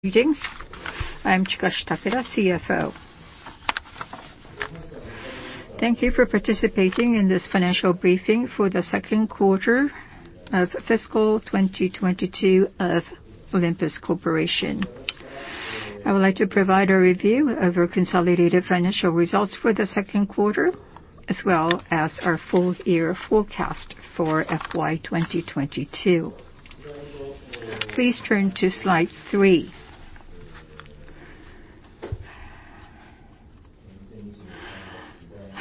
Greetings. I am Chikashi Takeda, CFO. Thank you for participating in this financial briefing for the second quarter of FY 2022 of Olympus Corporation. I would like to provide a review of our consolidated financial results for the second quarter, as well as our full year forecast for FY 2022. Please turn to slide three.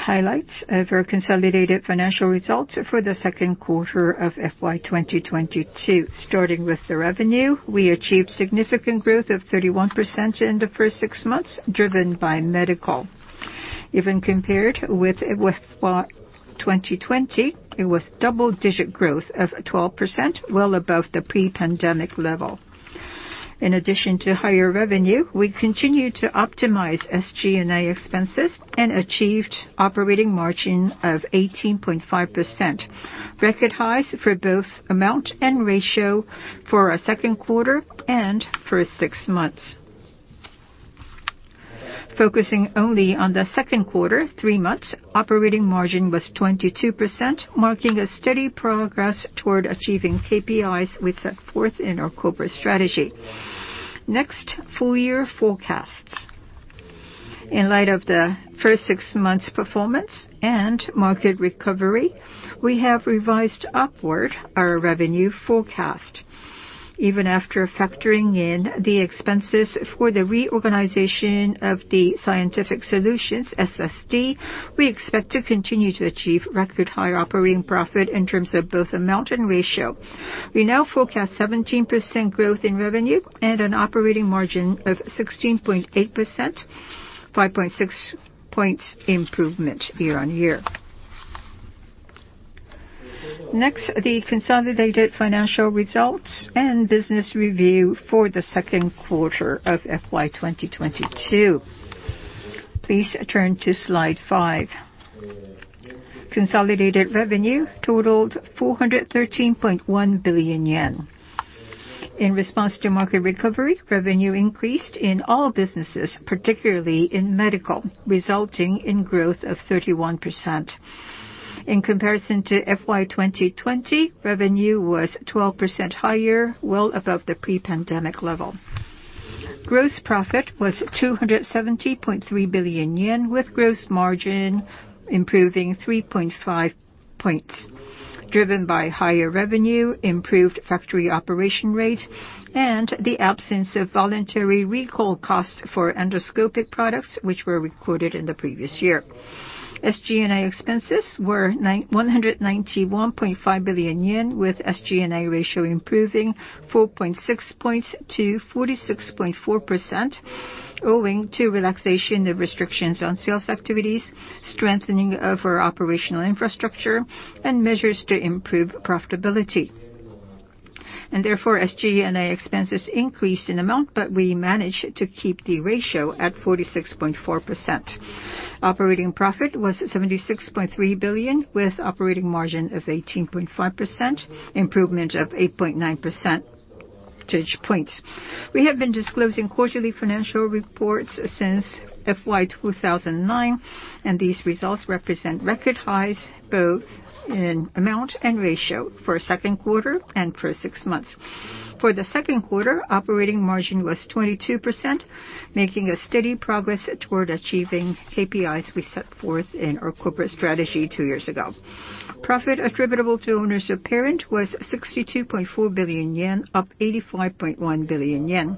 Highlights of our consolidated financial results for the second quarter of FY 2022. Starting with the revenue, we achieved significant growth of 31% in the first six months, driven by Medical. Even compared with FY 2020, it was double-digit growth of 12%, well above the pre-pandemic level. In addition to higher revenue, we continued to optimize SG&A expenses and achieved operating margin of 18.5%. Record highs for both amount and ratio for our second quarter and first six months. Focusing only on the second quarter, three months, operating margin was 22%, marking a steady progress toward achieving KPIs we set forth in our corporate strategy. Next, full year forecasts. In light of the first six months' performance and market recovery, we have revised upward our revenue forecast. Even after factoring in the expenses for the reorganization of the Scientific Solutions, SSD, we expect to continue to achieve record high operating profit in terms of both amount and ratio. We now forecast 17% growth in revenue and an operating margin of 16.8%, 5.6 points improvement year-on-year. Next, the consolidated financial results and business review for the second quarter of FY 2022. Please turn to slide five. Consolidated revenue totaled 413.1 billion yen. In response to market recovery, revenue increased in all businesses, particularly in Medical, resulting in growth of 31%. In comparison to FY 2020, revenue was 12% higher, well above the pre-pandemic level. Gross profit was 270.3 billion yen, with gross margin improving 3.5 points, driven by higher revenue, improved factory operation rate, and the absence of voluntary recall costs for endoscopic products, which were recorded in the previous year. SG&A expenses were 191.5 billion yen, with SG&A ratio improving 4.6 points to 46.4% owing to relaxation of restrictions on sales activities, strengthening of our operational infrastructure, and measures to improve profitability. SG&A expenses increased in amount, but we managed to keep the ratio at 46.4%. Operating profit was 76.3 billion, with operating margin of 18.5%, improvement of 8.9 percentage points. We have been disclosing quarterly financial reports since FY 2009, and these results represent record highs, both in amount and ratio for second quarter and first six months. For the second quarter, operating margin was 22%, making a steady progress toward achieving KPIs we set forth in our corporate strategy two years ago. Profit attributable to owners of parent was 62.4 billion yen, up 85.1 billion yen.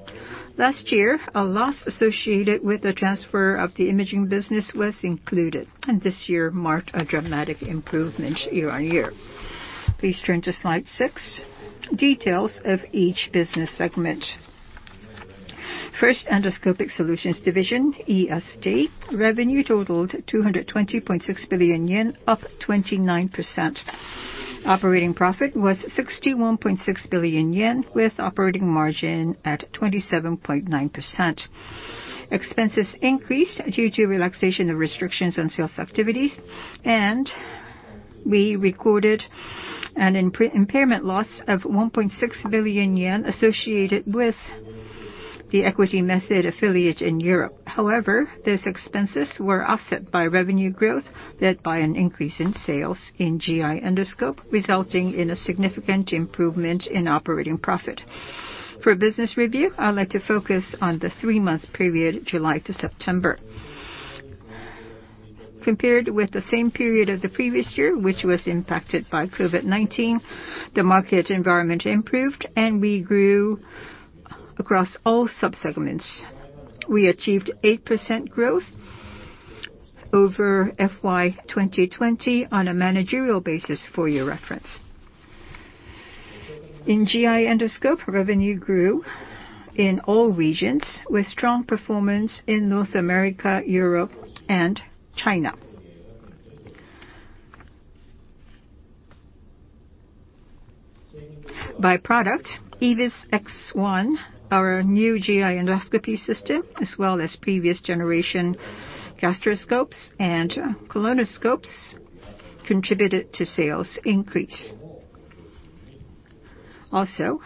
Last year, a loss associated with the transfer of the imaging business was included, and this year marked a dramatic improvement year on year. Please turn to slide six, details of each business segment. First, Endoscopic Solutions Division, ESD. Revenue totaled 220.6 billion yen, up 29%. Operating profit was 61.6 billion yen, with operating margin at 27.9%. Expenses increased due to relaxation of restrictions on sales activities, and we recorded an impairment loss of 1.6 billion yen associated with the equity method affiliate in Europe. However, those expenses were offset by revenue growth led by an increase in sales in GI endoscope, resulting in a significant improvement in operating profit. For business review, I would like to focus on the three-month period July to September. Compared with the same period of the previous year, which was impacted by COVID-19, the market environment improved, and we grew across all sub-segments. We achieved 8% growth over FY 2020 on a managerial basis for your reference. In GI endoscope, revenue grew in all regions with strong performance in North America, Europe, and China. By product, EVIS X1, our new GI endoscopy system, as well as previous generation gastroscopes and colonoscopes, contributed to sales increase. Also,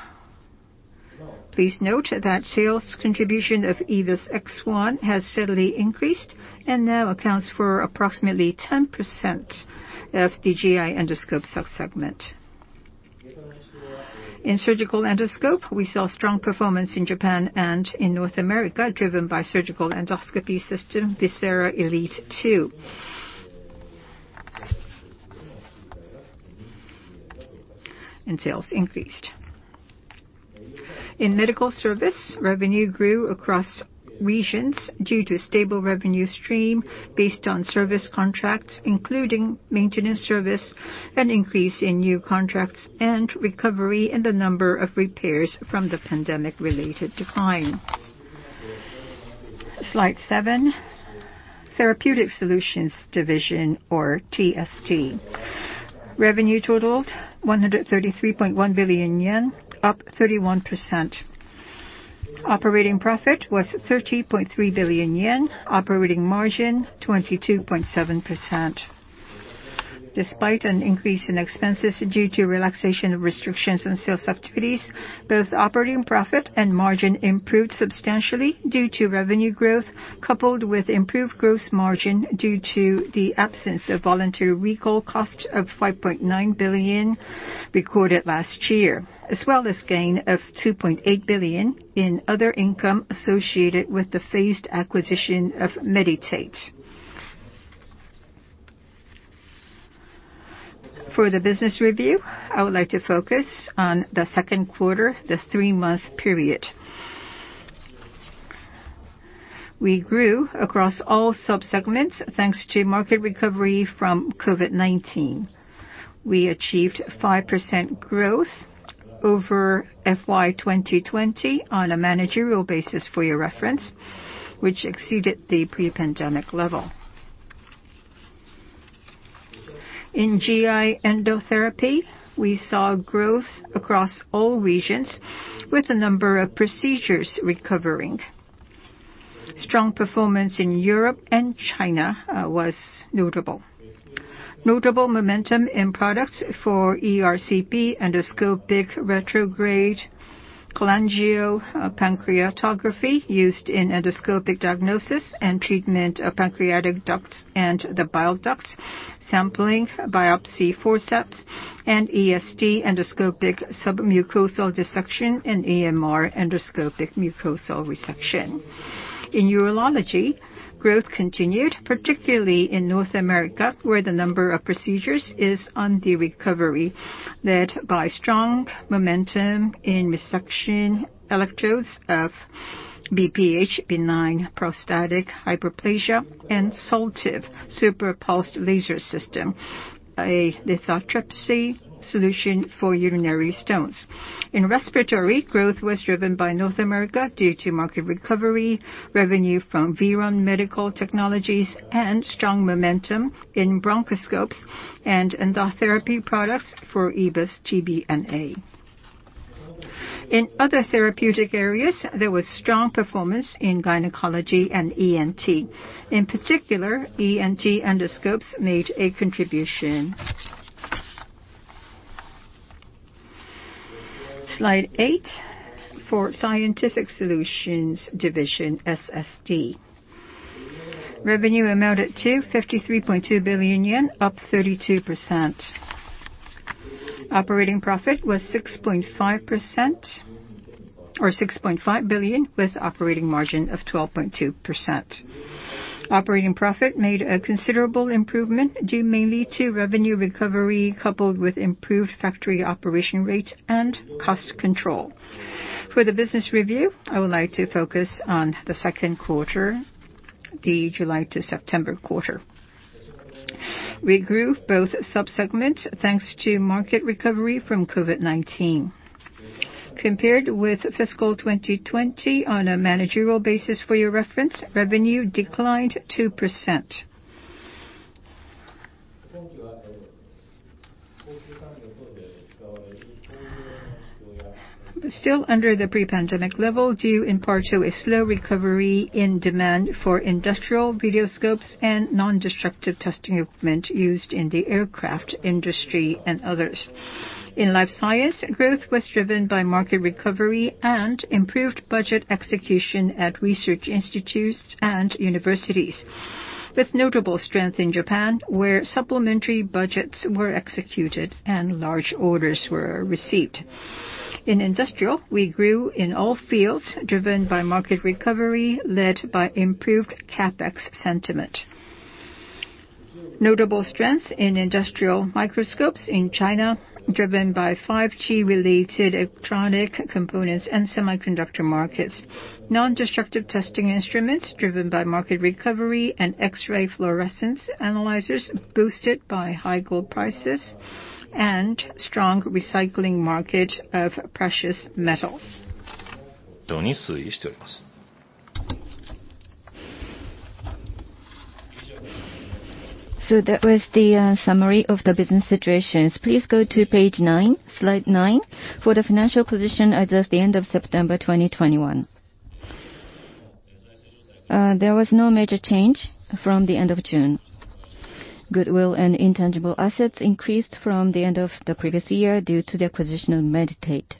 please note that sales contribution of EVIS X1 has steadily increased and now accounts for approximately 10% of the GI endoscope subsegment. In surgical endoscopy, we saw strong performance in Japan and in North America, driven by surgical endoscopy system VISERA ELITE II. Sales increased. In medical service, revenue grew across regions due to stable revenue stream based on service contracts, including maintenance service, an increase in new contracts, and recovery in the number of repairs from the pandemic-related decline. Slide seven, Therapeutic Solutions Division or TSD. Revenue totaled 133.1 billion yen, up 31%. Operating profit was 30.3 billion yen, operating margin 22.7%. Despite an increase in expenses due to relaxation of restrictions on sales activities, both operating profit and margin improved substantially due to revenue growth coupled with improved growth margin due to the absence of voluntary recall cost of 5.9 billion recorded last year, as well as gain of 2.8 billion in other income associated with the phased acquisition of Medi-Tate. For the business review, I would like to focus on the second quarter, the three-month period. We grew across all subsegments, thanks to market recovery from COVID-19. We achieved 5% growth over FY 2020 on a managerial basis for your reference, which exceeded the pre-pandemic level. In GI endotherapy, we saw growth across all regions with a number of procedures recovering. Strong performance in Europe and China was notable. Notable momentum in products for ERCP, endoscopic retrograde cholangiopancreatography used in endoscopic diagnosis and treatment of pancreatic ducts and the bile ducts, sampling biopsy forceps, and ESD, endoscopic submucosal dissection, and EMR, endoscopic mucosal resection. In urology, growth continued, particularly in North America, where the number of procedures is on the recovery, led by strong momentum in resection electrodes of BPH, benign prostatic hyperplasia, and SOLTIVE, SuperPulsed Laser System, a lithotripsy solution for urinary stones. In Respiratory, growth was driven by North America due to market recovery, revenue from Veran Medical Technologies, and strong momentum in bronchoscopes and endotherapy products for EVIS TBNA. In other therapeutic areas, there was strong performance in gynecology and ENT. In particular, ENT endoscopes made a contribution. Slide eight, for Scientific Solutions Division, SSD. Revenue amounted to JPY 53.2 billion, up 32%. Operating profit was 6.5% or 6.5 billion with operating margin of 12.2%. Operating profit made a considerable improvement due mainly to revenue recovery coupled with improved factory operation rate and cost control. For the business review, I would like to focus on the second quarter, the July to September quarter. We grew both subsegments thanks to market recovery from COVID-19. Compared with fiscal 2020 on a managerial basis for your reference, revenue declined 2%. Still under the pre-pandemic level, due in part to a slow recovery in demand for industrial video scopes and nondestructive testing equipment used in the aircraft industry and others. In Life Science, growth was driven by market recovery and improved budget execution at research institutes and universities, with notable strength in Japan, where supplementary budgets were executed and large orders were received. In Industrial, we grew in all fields, driven by market recovery, led by improved CapEx sentiment. Notable strength in industrial microscopes in China, driven by 5G-related electronic components and semiconductor markets. Nondestructive testing instruments driven by market recovery and X-ray fluorescence analyzers boosted by high gold prices and strong recycling market of precious metals. That was the summary of the business situations. Please go to page nine, slide nine for the financial position as of the end of September 2021. There was no major change from the end of June. Goodwill and intangible assets increased from the end of the previous year due to the acquisition of Medi-Tate.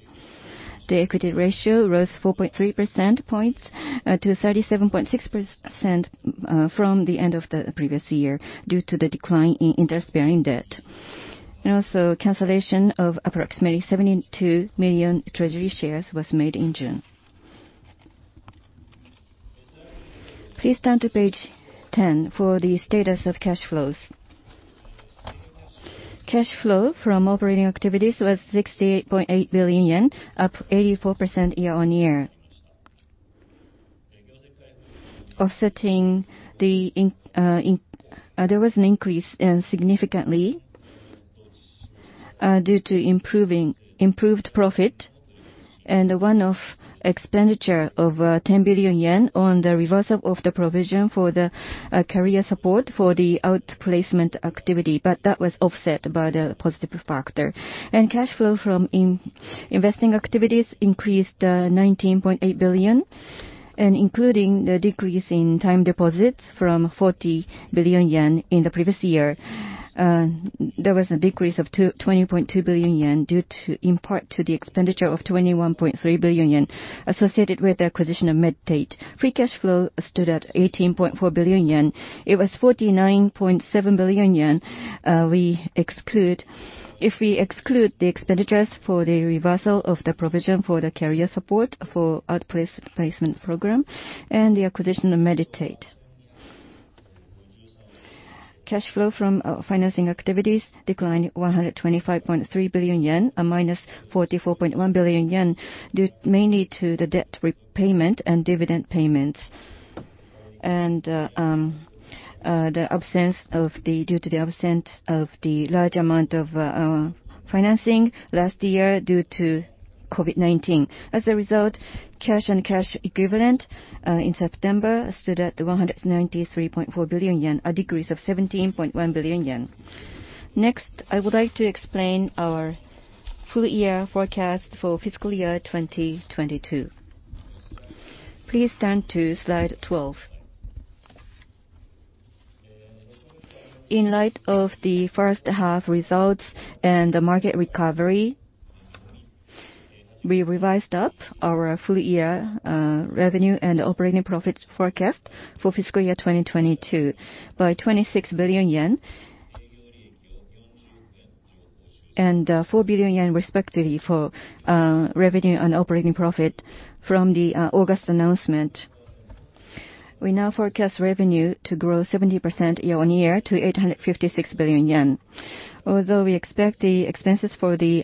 The equity ratio rose 4.3 percentage points to 37.6% from the end of the previous year due to the decline in interest-bearing debt. Cancellation of approximately 72 million treasury shares was made in June. Please turn to page 10 for the status of cash flows. Cash flow from operating activities was 68.8 billion yen, up 84% year-on-year. There was a significant increase due to improved profit and a one-off expenditure of 10 billion yen on the reversal of the provision for the career support for the outplacement activity. That was offset by the positive factor. Cash flow from investing activities increased 19.8 billion, and including the decrease in time deposits from 40 billion yen in the previous year. There was a decrease of 20.2 billion yen due in part to the expenditure of 21.3 billion yen associated with the acquisition of Medi-Tate. Free cash flow stood at 18.4 billion yen. It was 49.7 billion yen if we exclude the expenditures for the reversal of the provision for the career support for outplacement program and the acquisition of Medi-Tate. Cash flow from financing activities declined 125.3 billion yen, a -44.1 billion yen, due mainly to the debt repayment and dividend payments. Due to the absence of the large amount of our financing last year due to COVID-19. As a result, cash and cash equivalents in September stood at 193.4 billion yen, a decrease of 17.1 billion yen. Next, I would like to explain our full year forecast for fiscal year 2022. Please turn to slide 12. In light of the first half results and the market recovery, we revised up our full year revenue and operating profit forecast for fiscal year 2022 by 26 billion yen and 4 billion yen respectively for revenue and operating profit from the August announcement. We now forecast revenue to grow 70% year-on-year to 856 billion yen. Although we expect the expenses for the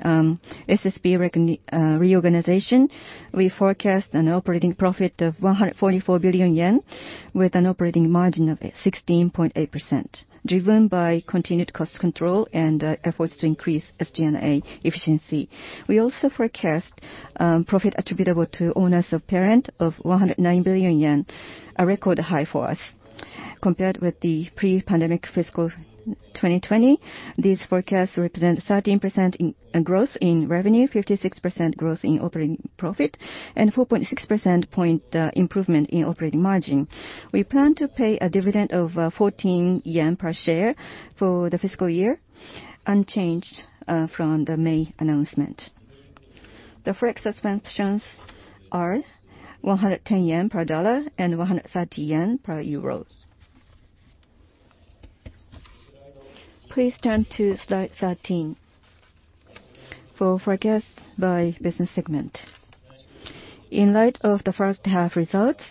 SSD reorganization, we forecast an operating profit of 144 billion yen with an operating margin of 16.8%, driven by continued cost control and efforts to increase SG&A efficiency. We also forecast profit attributable to owners of parent of 109 billion yen, a record high for us. Compared with the pre-pandemic fiscal 2020, these forecasts represent 13% growth in revenue, 56% growth in operating profit, and 4.6 percentage point improvement in operating margin. We plan to pay a dividend of 14 yen per share for the fiscal year, unchanged from the May announcement. The FX assumptions are 110 yen per dollar and 130 yen per euro. Please turn to slide 13 for forecast by business segment. In light of the first half results,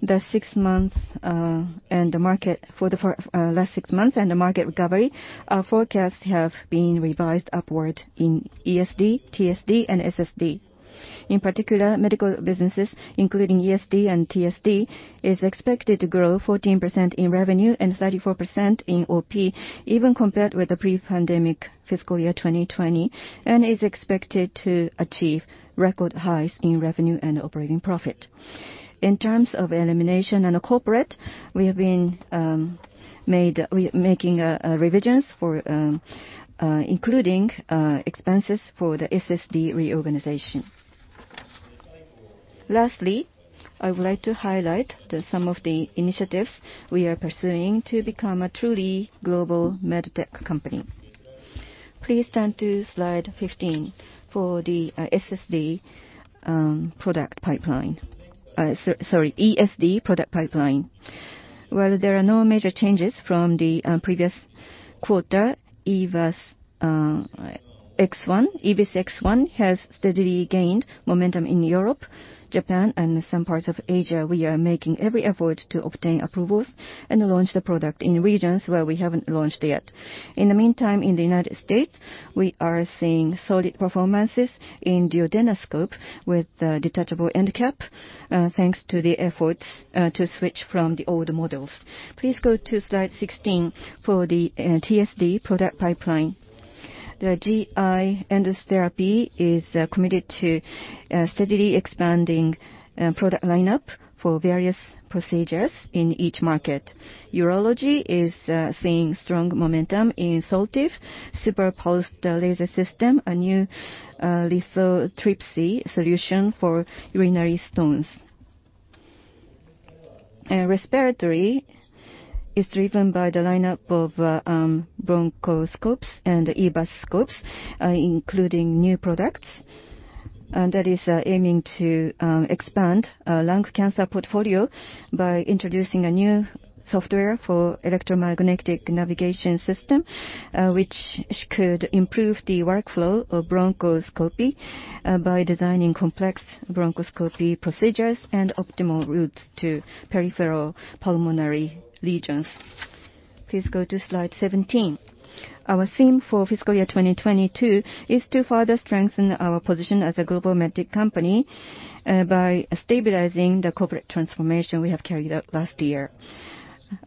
the last six months and the market recovery, our forecasts have been revised upward in ESD, TSD, and SSD. In particular, medical businesses, including ESD and TSD, is expected to grow 14% in revenue and 34% in OP, even compared with the pre-pandemic fiscal year 2020, and is expected to achieve record highs in revenue and operating profit. In terms of elimination and corporate, we have been making revisions for, including expenses for the SSD reorganization. Lastly, I would like to highlight some of the initiatives we are pursuing to become a truly global medtech company. Please turn to slide 15 for the SSD product pipeline, sorry ESD product pipeline. While there are no major changes from the previous quarter, EVIS X1 has steadily gained momentum in Europe, Japan, and some parts of Asia. We are making every effort to obtain approvals and launch the product in regions where we haven't launched yet. In the meantime, in the United States, we are seeing solid performances in duodenoscope with the detachable end cap, thanks to the efforts to switch from the older models. Please go to slide 16 for the TSD product pipeline. The GI endotherapy is committed to steadily expanding product lineup for various procedures in each market. Urology is seeing strong momentum in SOLTIVE SuperPulsed Laser System, a new lithotripsy solution for urinary stones. Respiratory is driven by the lineup of bronchoscopes and EBUS scopes, including new products. That is aiming to expand lung cancer portfolio by introducing a new software for electromagnetic navigation system, which could improve the workflow of bronchoscopy by designing complex bronchoscopy procedures and optimal routes to peripheral pulmonary lesions. Please go to slide 17. Our theme for fiscal year 2022 is to further strengthen our position as a global medtech company by stabilizing the corporate transformation we have carried out last year.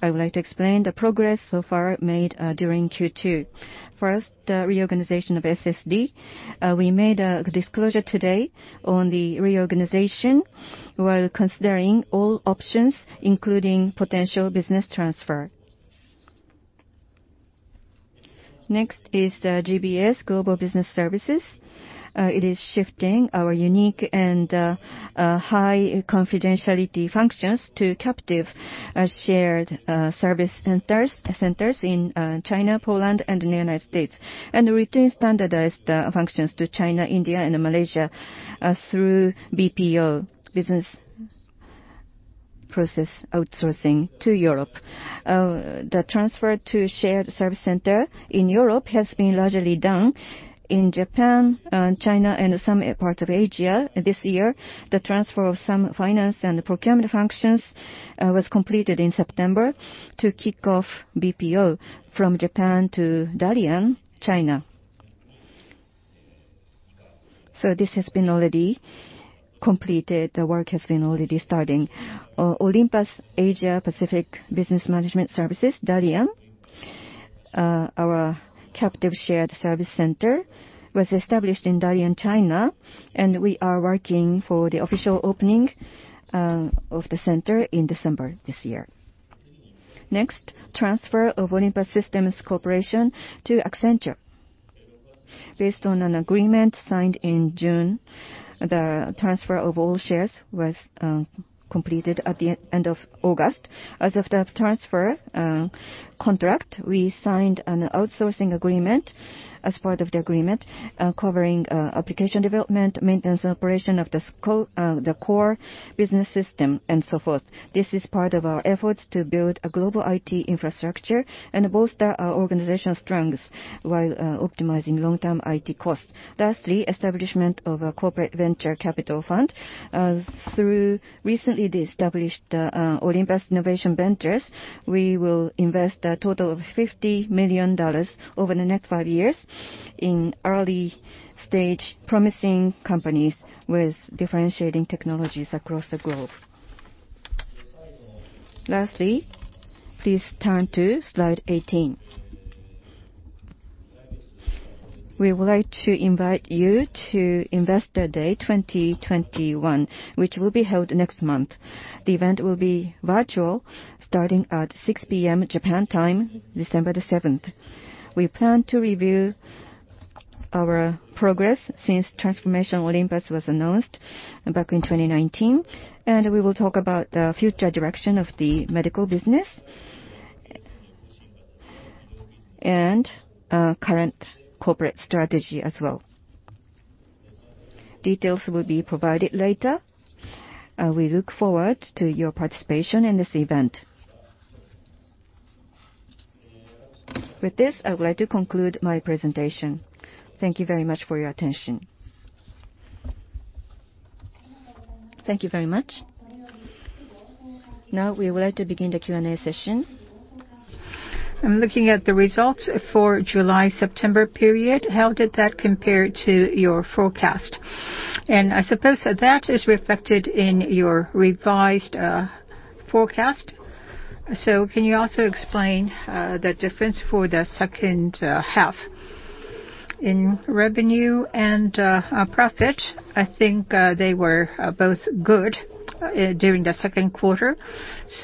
I would like to explain the progress so far made during Q2. First, the reorganization of SSD. We made a disclosure today on the reorganization. We are considering all options, including potential business transfer. Next is the GBS, Global Business Services. It is shifting our unique and high confidentiality functions to captive shared service centers in China, Poland, and the United States. Return standardized functions to China, India, and Malaysia through BPO, business process outsourcing to Europe. The transfer to shared service center in Europe has been largely done. In Japan, China, and some parts of Asia this year, the transfer of some finance and procurement functions was completed in September to kick off BPO from Japan to Dalian, China. This has been already completed. The work has been already starting. Olympus Asia Pacific Business Management Services Dalian, our captive shared service center, was established in Dalian, China, and we are working for the official opening of the center in December this year. Next, transfer of Olympus Systems Corporation to Accenture. Based on an agreement signed in June, the transfer of all shares was completed at the end of August. As of the transfer contract, we signed an outsourcing agreement as part of the agreement, covering application development, maintenance, and operation of the core business system, and so forth. This is part of our efforts to build a global IT infrastructure and bolster our organizational strengths while optimizing long-term IT costs. Lastly, establishment of a corporate venture capital fund. Through recently established Olympus Innovation Ventures, we will invest a total of $50 million over the next five years in early-stage promising companies with differentiating technologies across the globe. Lastly, please turn to slide 18. We would like to invite you to Olympus Investor Day 2021, which will be held next month. The event will be virtual, starting at 6:00 P.M. Japan time, December 7th. We plan to review our progress since Transform Olympus was announced back in 2019, and we will talk about the future direction of the medical business and current corporate strategy as well. Details will be provided later. We look forward to your participation in this event. With this, I would like to conclude my presentation. Thank you very much for your attention. Thank you very much. Now we would like to begin the Q&A session. I'm looking at the results for July-September period. How did that compare to your forecast? I suppose that that is reflected in your revised forecast. Can you also explain the difference for the second half? In revenue and profit, I think they were both good during the second quarter.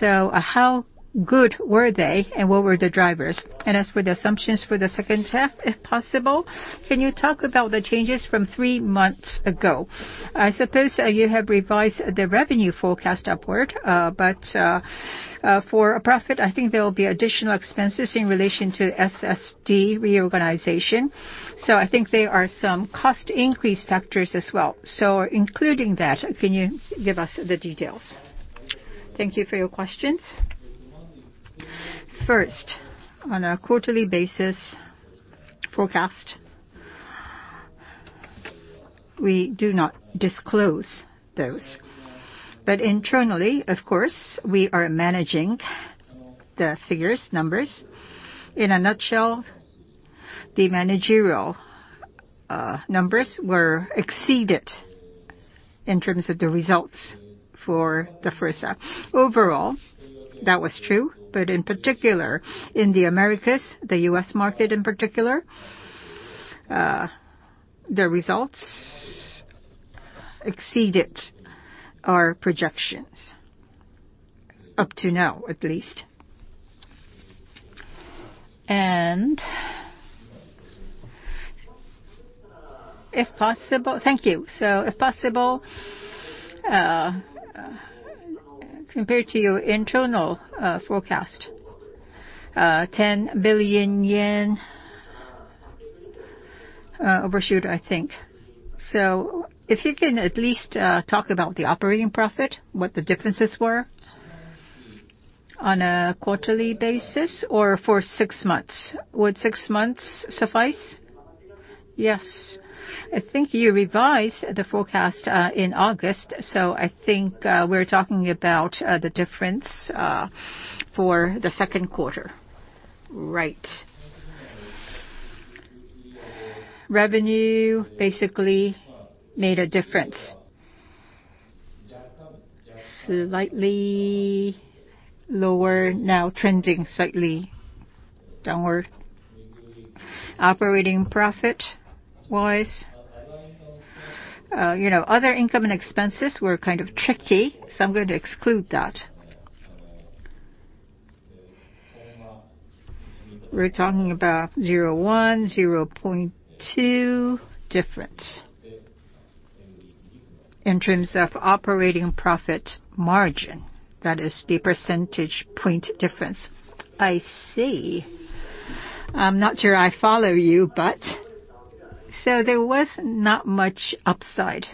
How good were they, and what were the drivers? As for the assumptions for the second half, if possible, can you talk about the changes from three months ago? I suppose you have revised the revenue forecast upward, but for profit, I think there will be additional expenses in relation to SSD reorganization. I think there are some cost increase factors as well. Including that, can you give us the details? Thank you for your questions. First, on a quarterly basis forecast, we do not disclose those. Internally, of course, we are managing the figures, numbers. In a nutshell, the managerial numbers were exceeded in terms of the results for the first half. Overall, that was true, but in particular, in the Americas, the U.S. market in particular, the results exceeded our projections up to now at least. If possible, thank you. If possible, compared to your internal forecast, JPY 10 billion overshoot, I think. If you can at least talk about the operating profit, what the differences were. On a quarterly basis or for six months? Would six months suffice? Yes. I think you revised the forecast in August, so I think we're talking about the difference for the second quarter. Right. Revenue basically made a difference. Slightly lower now, trending slightly downward. Operating profit-wise, you know, other income and expenses were kind of tricky, so I'm going to exclude that. We're talking about 0.1, 0.2 difference. In terms of operating profit margin, that is the percentage point difference. I see. I'm not sure I follow you, but. There was not much upside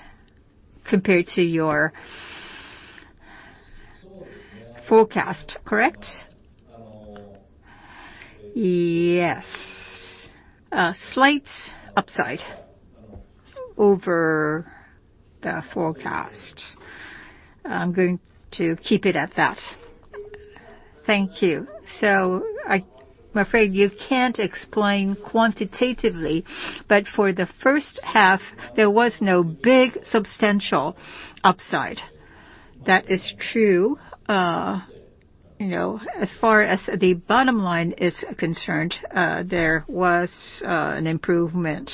compared to your forecast, correct? Yes. A slight upside over the forecast. I'm going to keep it at that. Thank you. I'm afraid you can't explain quantitatively, but for the first half, there was no big substantial upside. That is true. You know, as far as the bottom line is concerned, there was an improvement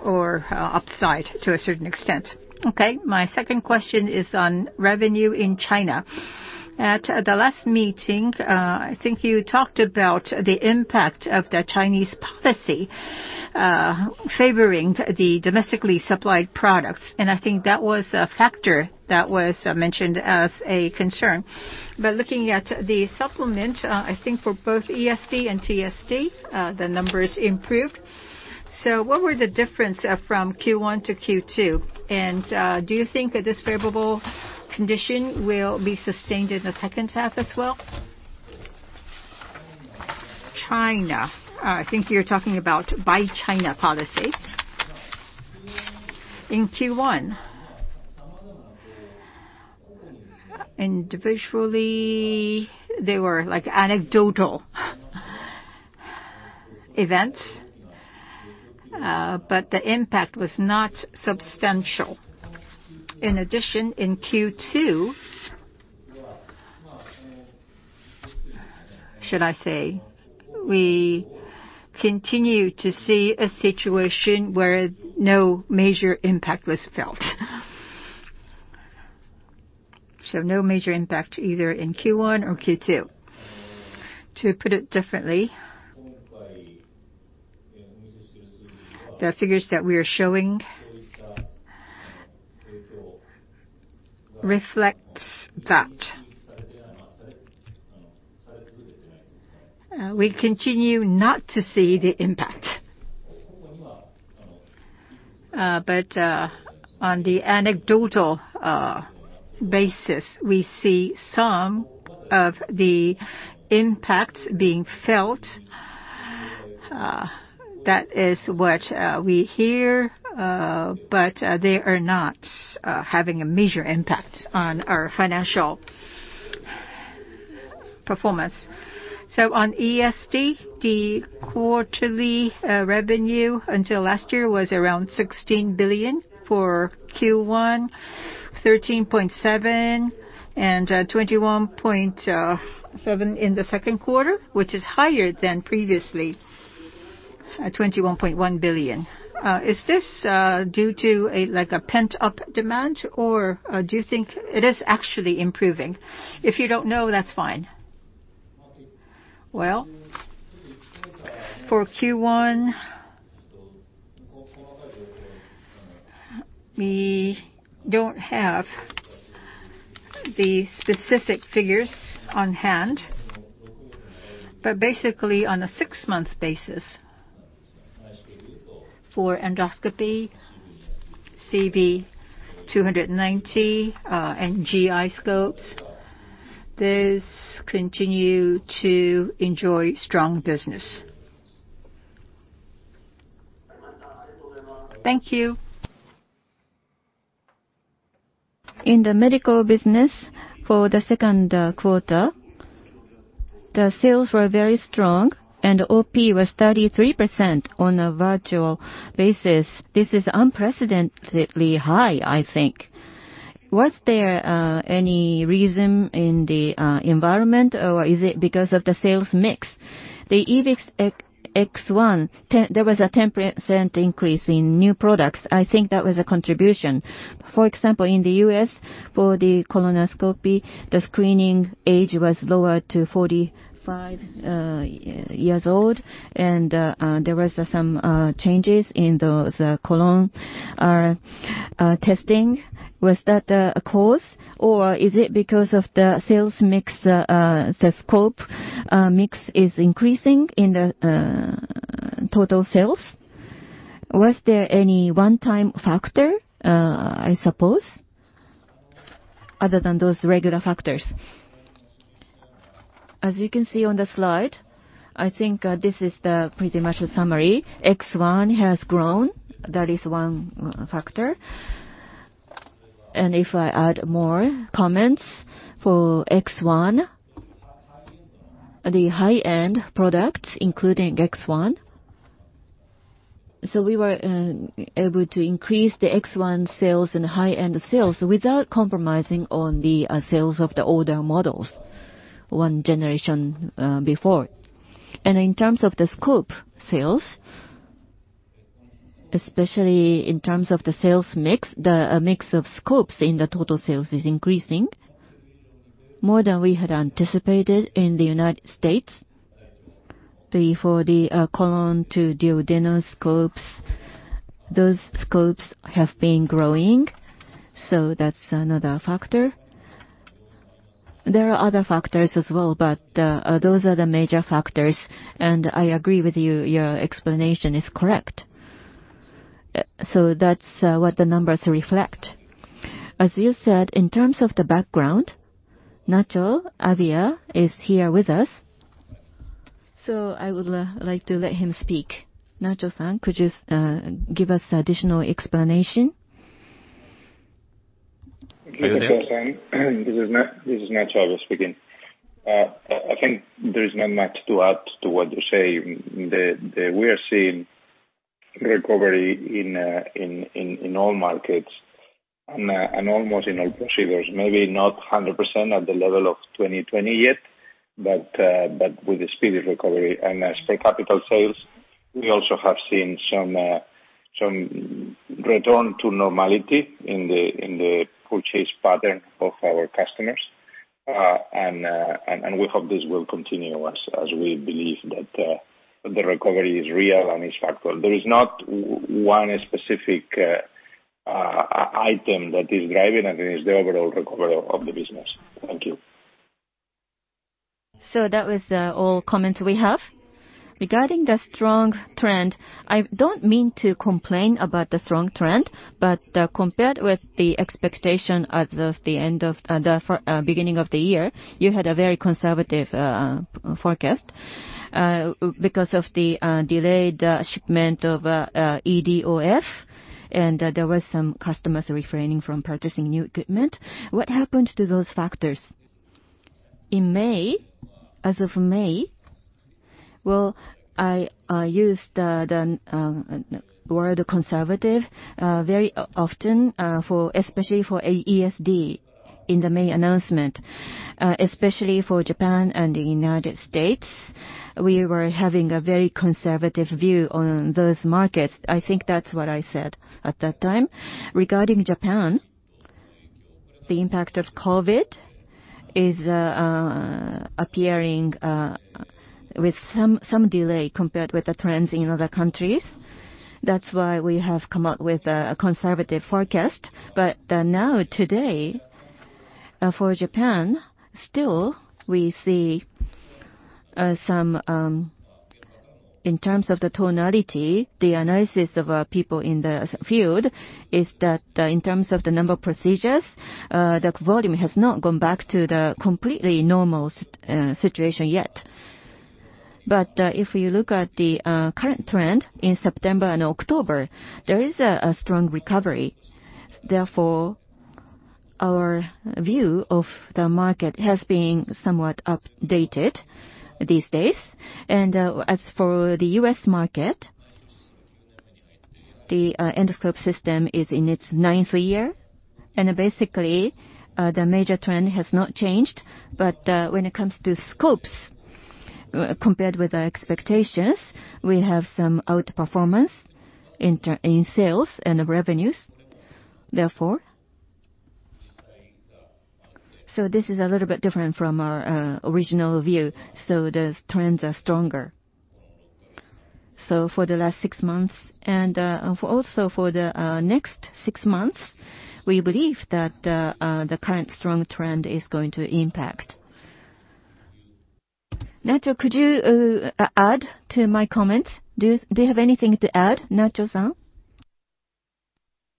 or upside to a certain extent. Okay. My second question is on revenue in China. At the last meeting, I think you talked about the impact of the Chinese policy favoring the domestically supplied products, and I think that was a factor that was mentioned as a concern. Looking at the supplement, I think for both ESD and TSD, the numbers improved. What were the difference from Q1 to Q2? And do you think that this favorable condition will be sustained in the second half as well? China. I think you're talking about Buy China policy. In Q1, individually, they were like anecdotal events, but the impact was not substantial. In addition, in Q2, should I say, we continue to see a situation where no major impact was felt. No major impact either in Q1 or Q2. To put it differently, the figures that we are showing reflect that. We continue not to see the impact. On the anecdotal basis, we see some of the impacts being felt. That is what we hear, but they are not having a major impact on our financial performance. On ESD, the quarterly revenue until last year was around 16 billion for Q1, 13.7 billion, and 21.7 billion in the second quarter, which is higher than previously, at 21.1 billion. Is this due to, like, a pent-up demand or do you think it is actually improving? If you don't know, that's fine. Well, for Q1, we don't have the specific figures on hand. Basically, on a six-month basis, for endoscopy, CV-290 and GI scopes, those continue to enjoy strong business. Thank you. In the medical business for the second quarter, the sales were very strong and OP was 33% on a virtual basis. This is unprecedentedly high, I think. Was there any reason in the environment, or is it because of the sales mix? The EVIS X1, there was a 10% increase in new products. I think that was a contribution. For example, in the U.S. for the colonoscopy, the screening age was lowered to 45 years old and there was some changes in those colon testing. Was that the cause or is it because of the sales mix, the scope mix is increasing in the total sales? Was there any one-time factor, I suppose other than those regular factors? As you can see on the slide, I think, this is pretty much the summary. X1 has grown. That is one factor. If I add more comments for X1, the high-end products including X1, we were able to increase the X1 sales and high-end sales without compromising on the sales of the older models one generation before. In terms of the scope sales, especially in terms of the sales mix, the mix of scopes in the total sales is increasing more than we had anticipated in the United States. For the colon to duodenal scopes, those scopes have been growing, so that's another factor. There are other factors as well, but those are the major factors, and I agree with you, your explanation is correct. That's what the numbers reflect. As you said, in terms of the background, Nacho Abia is here with us, so I would like to let him speak. Nacho-san, could you give us additional explanation? This is Nacho Abia speaking. I think there is not much to add to what you say. We are seeing recovery in all markets and almost in all procedures, maybe not 100% at the level of 2020 yet, but with the speedy recovery. As for capital sales, we also have seen some return to normality in the purchase pattern of our customers. We hope this will continue as we believe that the recovery is real and it's factual. There is not one specific item that is driving it. I think it's the overall recovery of the business. Thank you. That was all comments we have. Regarding the strong trend, I don't mean to complain about the strong trend, but compared with the expectation at the beginning of the year, you had a very conservative forecast because of the delayed shipment of EDOF, and there was some customers refraining from purchasing new equipment. What happened to those factors? In May, as of May, well, I used the word conservative very often, especially for ESD in the May announcement. Especially for Japan and the United States, we were having a very conservative view on those markets. I think that's what I said at that time. Regarding Japan, the impact of COVID is appearing with some delay compared with the trends in other countries. That's why we have come up with a conservative forecast. Now today, for Japan, still we see some in terms of the tonality, the analysis of our people in the field is that, in terms of the number of procedures, the volume has not gone back to the completely normal situation yet. If you look at the current trend in September and October, there is a strong recovery. Therefore, our view of the market has been somewhat updated these days. As for the U.S. market, the endoscope system is in its ninth year, and basically, the major trend has not changed. When it comes to scopes, compared with our expectations, we have some outperformance in sales and revenues, therefore. This is a little bit different from our original view. The trends are stronger. For the last six months and for the next six months, we believe that the current strong trend is going to impact. Nacho, could you add to my comments? Do you have anything to add, Nacho-san?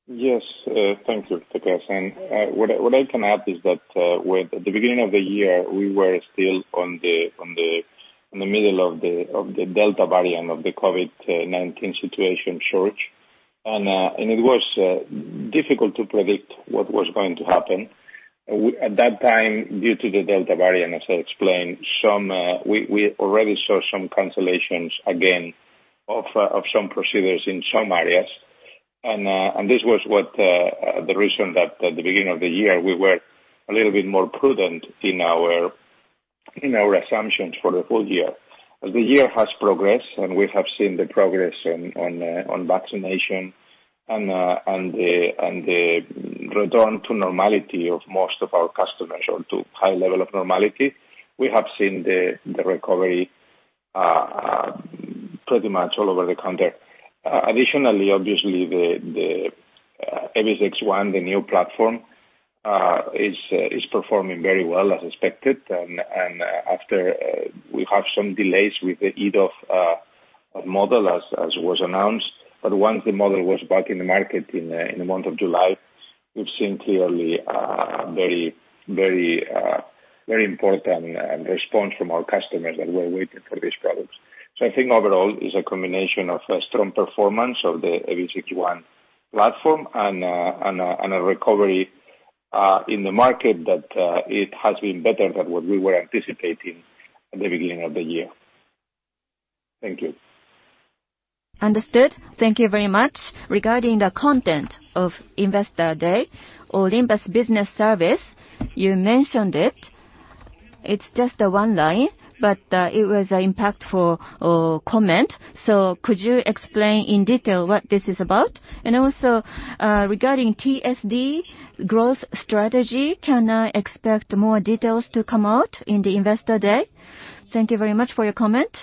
Yes. Thank you, Takeda-san. What I can add is that with the beginning of the year, we were still in the middle of the Delta variant of the COVID-19 situation surge. It was difficult to predict what was going to happen. At that time, due to the Delta variant, as I explained, we already saw some cancellations again of some procedures in some areas. This was the reason that at the beginning of the year we were a little bit more prudent in our assumptions for the full year. As the year has progressed, and we have seen the progress on vaccination and the return to normality of most of our customers or to high level of normality, we have seen the recovery pretty much all over the country. Additionally, obviously, the EVIS X1, the new platform, is performing very well as expected. After we have some delays with the EDOF model as was announced, but once the model was back in the market in the month of July, we've seen clearly a very important response from our customers that were waiting for these products. I think overall it's a combination of a strong performance of the EVIS X1 platform and a recovery in the market that it has been better than what we were anticipating at the beginning of the year. Thank you. Understood. Thank you very much. Regarding the content of Investor Day, Olympus business service, you mentioned it. It's just a one line, but it was an impactful comment. Could you explain in detail what this is about? Also, regarding TSD growth strategy, can I expect more details to come out in the Investor Day? Thank you very much for your comment.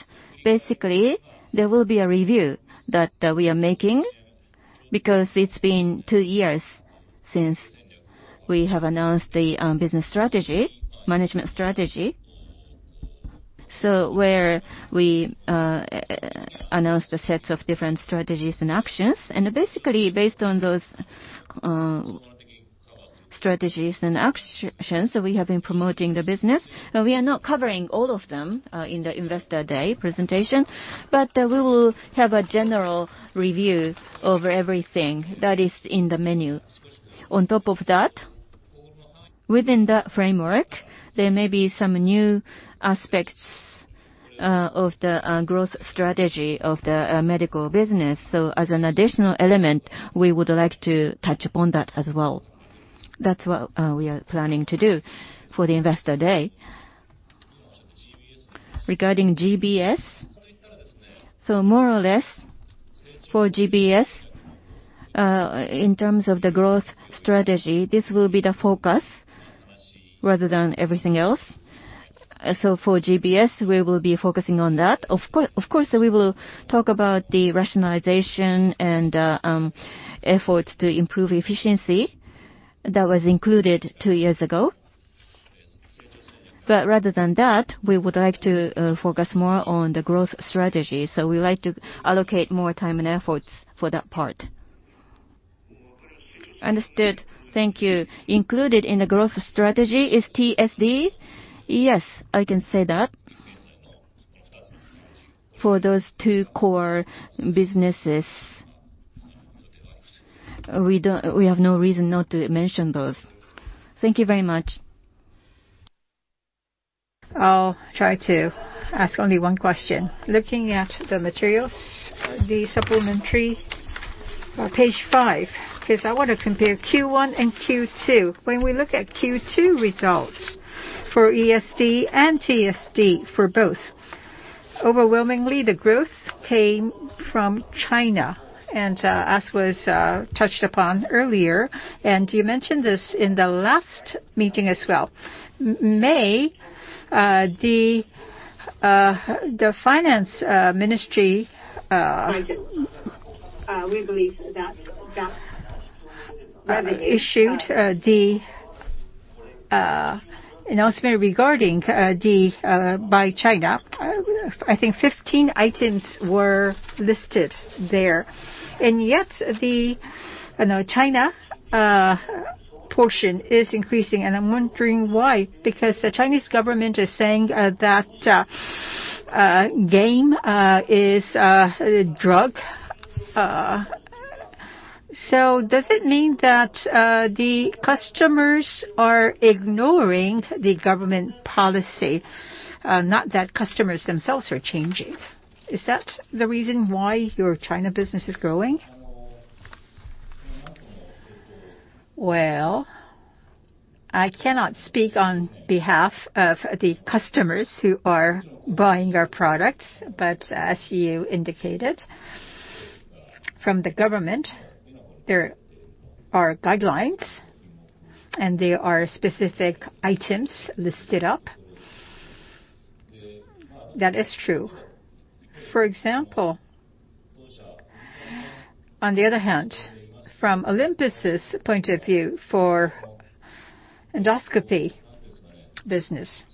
Basically, there will be a review that we are making because it's been two years since we have announced the business strategy, management strategy. Where we announce the sets of different strategies and actions and basically based on those strategies and actions that we have been promoting the business. We are not covering all of them in the Investor Day presentation. We will have a general review over everything that is in the menu. On top of that, within that framework, there may be some new aspects of the medical business. So as an additional element, we would like to touch upon that as well. That's what we are planning to do for the Investor Day. Regarding GBS, more or less for GBS, in terms of the growth strategy, this will be the focus rather than everything else. So for GBS, we will be focusing on that. Of course, we will talk about the rationalization and efforts to improve efficiency that was included two years ago. But rather than that, we would like to focus more on the growth strategy. So we would like to allocate more time and efforts for that part. Understood. Thank you. Included in the growth strategy is TSD? Yes, I can say that. For those two core businesses, we don't, we have no reason not to mention those. Thank you very much. I'll try to ask only one question. Looking at the materials, the supplementary page five, 'cause I wanna compare Q1 and Q2. When we look at Q2 results for ESD and TSD for both, overwhelmingly, the growth came from China and as was touched upon earlier, and you mentioned this in the last meeting as well. In May, the Finance Ministry issued the announcement regarding the Buy China. I think 15 items were listed there, and yet, you know, the China portion is increasing, and I'm wondering why. Because the Chinese government is saying that BPH is a drug. Does it mean that the customers are ignoring the government policy, not that customers themselves are changing? Is that the reason why your China business is growing? I cannot speak on behalf of the customers who are buying our products, but as you indicated, from the government, there are guidelines, and there are specific items listed up. That is true. For example, on the other hand, from Olympus's point of view, for endoscopy business,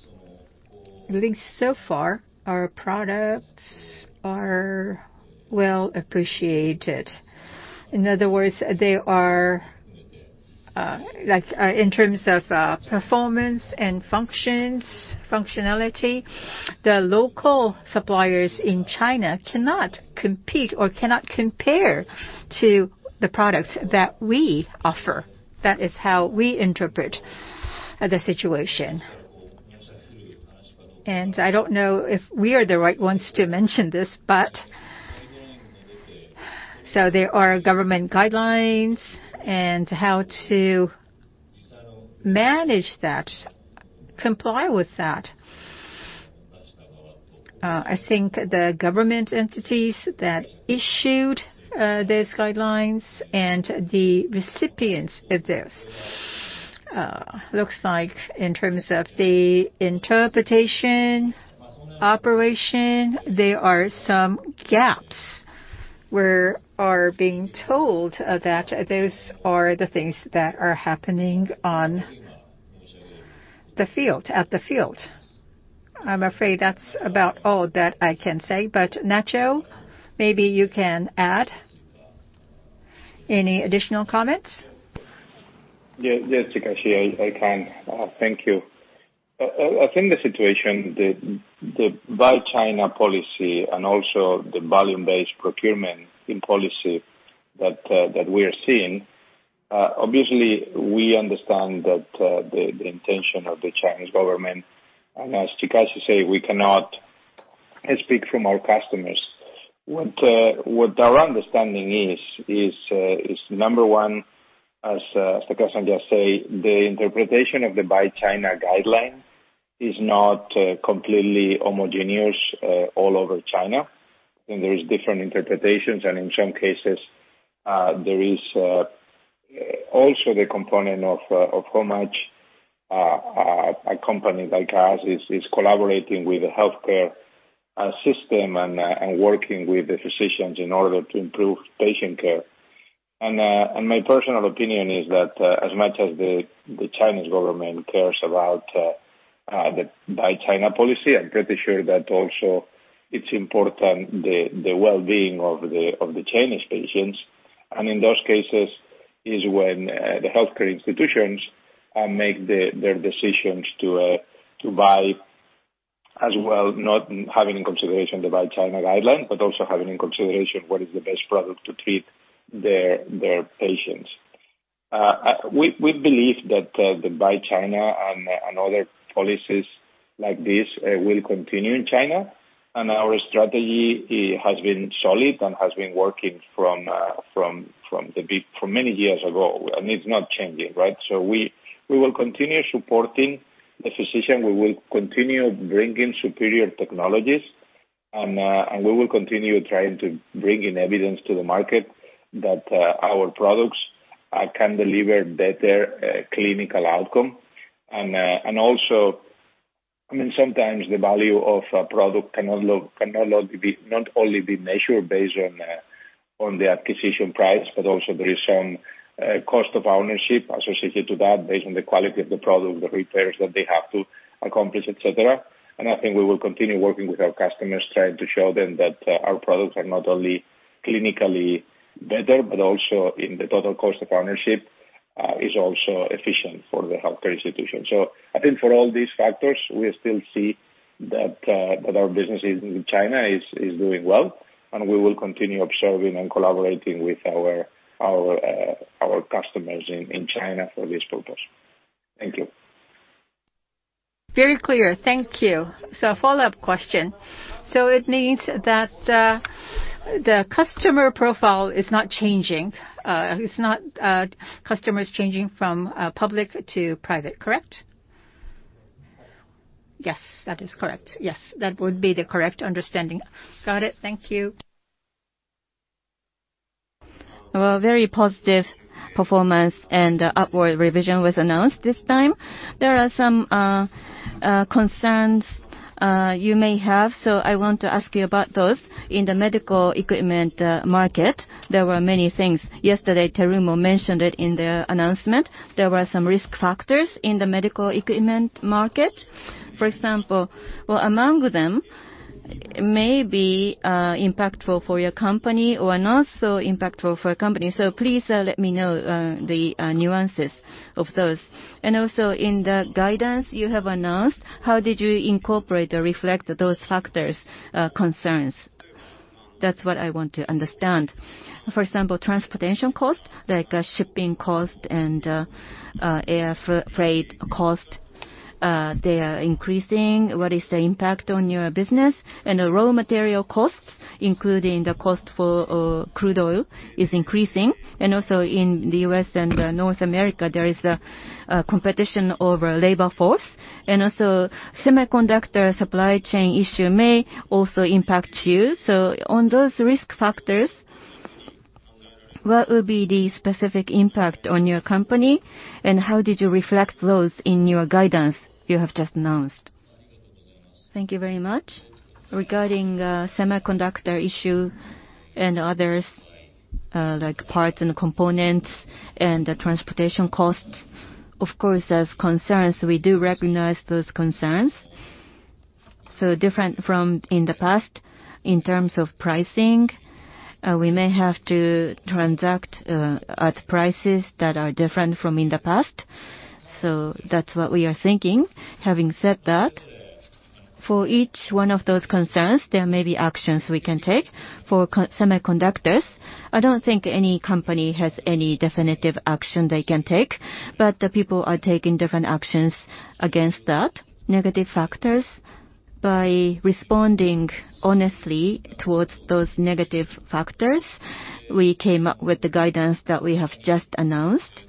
I think so far our products are well appreciated. In other words, they are, like, in terms of, performance and functions, functionality, the local suppliers in China cannot compete or cannot compare to the products that we offer. That is how we interpret the situation. I don't know if we are the right ones to mention this. There are government guidelines and how to manage that, comply with that. I think the government entities that issued those guidelines and the recipients of this looks like in terms of the interpretation, operation, there are some gaps. We are being told that those are the things that are happening on the field, at the field. I'm afraid that's about all that I can say. Nacho, maybe you can add any additional comments. Yes. Yes, Chikashi, I can. Thank you. I think the situation, the Buy China policy and also the volume-based procurement policy that we're seeing, obviously we understand that, the intention of the Chinese government. As Chikashi say, we cannot speak from our customers. What our understanding is number one, as Chikashi-san just say, the interpretation of the Buy China guideline is not completely homogeneous all over China, and there is different interpretations. In some cases, there is also the component of how much a company like us is collaborating with the healthcare system and working with the physicians in order to improve patient care. My personal opinion is that, as much as the Chinese government cares about the Buy China policy, I'm pretty sure that also it's important the well-being of the Chinese patients. In those cases is when the healthcare institutions make their decisions to buy as well, not having in consideration the Buy China guideline, but also having in consideration what is the best product to treat their patients. We believe that the Buy China and other policies like this will continue in China. Our strategy, it has been solid and has been working from many years ago, and it's not changing, right? We will continue supporting the physician. We will continue bringing superior technologies, and we will continue trying to bring in evidence to the market that our products can deliver better clinical outcome. I mean, sometimes the value of a product cannot only be measured based on the acquisition price, but also there is some cost of ownership associated to that based on the quality of the product, the repairs that they have to accomplish, et cetera. I think we will continue working with our customers, trying to show them that our products are not only clinically better, but also in the total cost of ownership is also efficient for the healthcare institution. I think for all these factors, we still see that our business in China is doing well, and we will continue observing and collaborating with our customers in China for this purpose. Thank you. Very clear. Thank you. A follow-up question. It means that the customer profile is not changing. It's not customers changing from public to private, correct? Yes, that is correct. Yes, that would be the correct understanding. Got it. Thank you. Well, very positive performance and upward revision was announced this time. There are some concerns you may have, so I want to ask you about those. In the medical equipment market, there were many things. Yesterday Terumo mentioned it in their announcement. There were some risk factors in the medical equipment market. For example, well, among them may be impactful for your company or not so impactful for your company. Please let me know the nuances of those. Also in the guidance you have announced, how did you incorporate or reflect those factors, concerns? That's what I want to understand. For example, transportation costs, like, shipping cost and air freight cost, they are increasing. What is the impact on your business? The raw material costs, including the cost for crude oil, is increasing. Also in the U.S. and North America, there is a competition over labor force. Also semiconductor supply chain issue may also impact you. On those risk factors, what will be the specific impact on your company, and how did you reflect those in your guidance you have just announced? Thank you very much. Regarding semiconductor issue and others, like parts and components and the transportation costs, of course, there's concerns. We do recognize those concerns. Different from in the past in terms of pricing, we may have to transact at prices that are different from in the past. That's what we are thinking. Having said that, for each one of those concerns, there may be actions we can take. For semiconductors, I don't think any company has any definitive action they can take, but the people are taking different actions against that. Negative factors, by responding honestly towards those negative factors, we came up with the guidance that we have just announced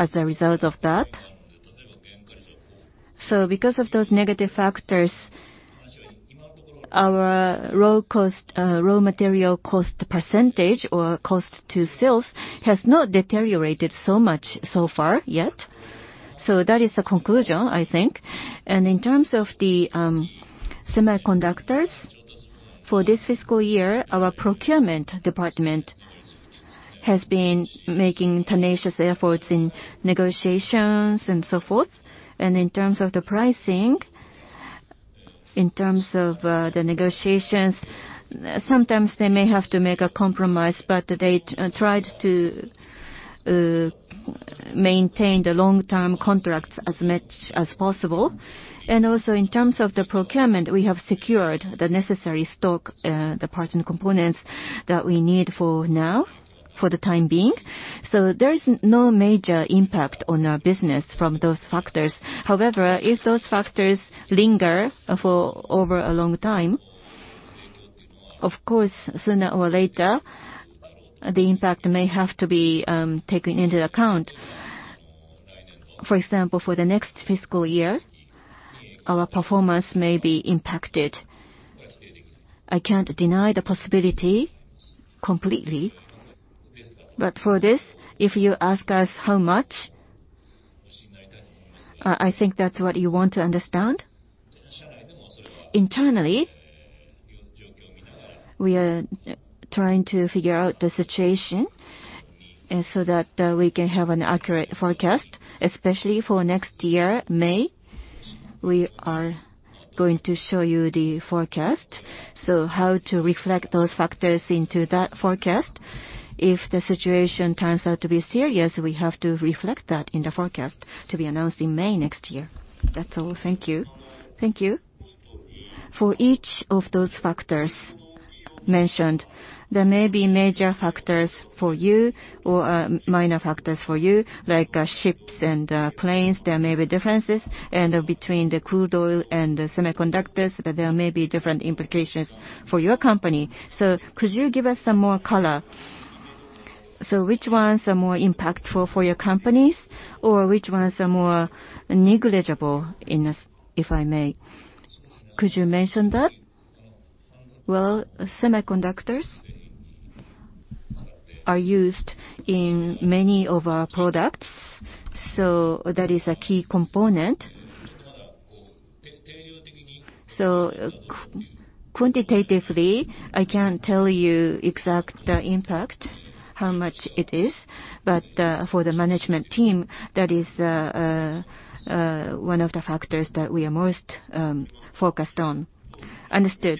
as a result of that. Because of those negative factors, our low cost, raw material cost percentage or cost to sales has not deteriorated so much so far yet. That is the conclusion, I think. In terms of the semiconductors for this fiscal year, our procurement department has been making tenacious efforts in negotiations and so forth. In terms of the pricing, in terms of the negotiations, sometimes they may have to make a compromise, but they tried to maintain the long-term contracts as much as possible. In terms of the procurement, we have secured the necessary stock, the parts and components that we need for now, for the time being. There is no major impact on our business from those factors. However, if those factors linger for over a long time, of course, sooner or later, the impact may have to be taken into account. For example, for the next fiscal year, our performance may be impacted. I can't deny the possibility completely. For this, if you ask us how much, I think that's what you want to understand. Internally, we are trying to figure out the situation so that we can have an accurate forecast, especially for next year. In May, we are going to show you the forecast. How to reflect those factors into that forecast. If the situation turns out to be serious, we have to reflect that in the forecast to be announced in May next year. That's all. Thank you. Thank you. For each of those factors mentioned, there may be major factors for you or, minor factors for you, like, ships and, planes. There may be differences. Between the crude oil and the semiconductors, there may be different implications for your company. Could you give us some more color? Which ones are more impactful for your companies or which ones are more negligible in this, if I may? Could you mention that? Well, semiconductors are used in many of our products, so that is a key component. Quantitatively, I can't tell you exact impact, how much it is, but, for the management team, that is, one of the factors that we are most, focused on. Understood.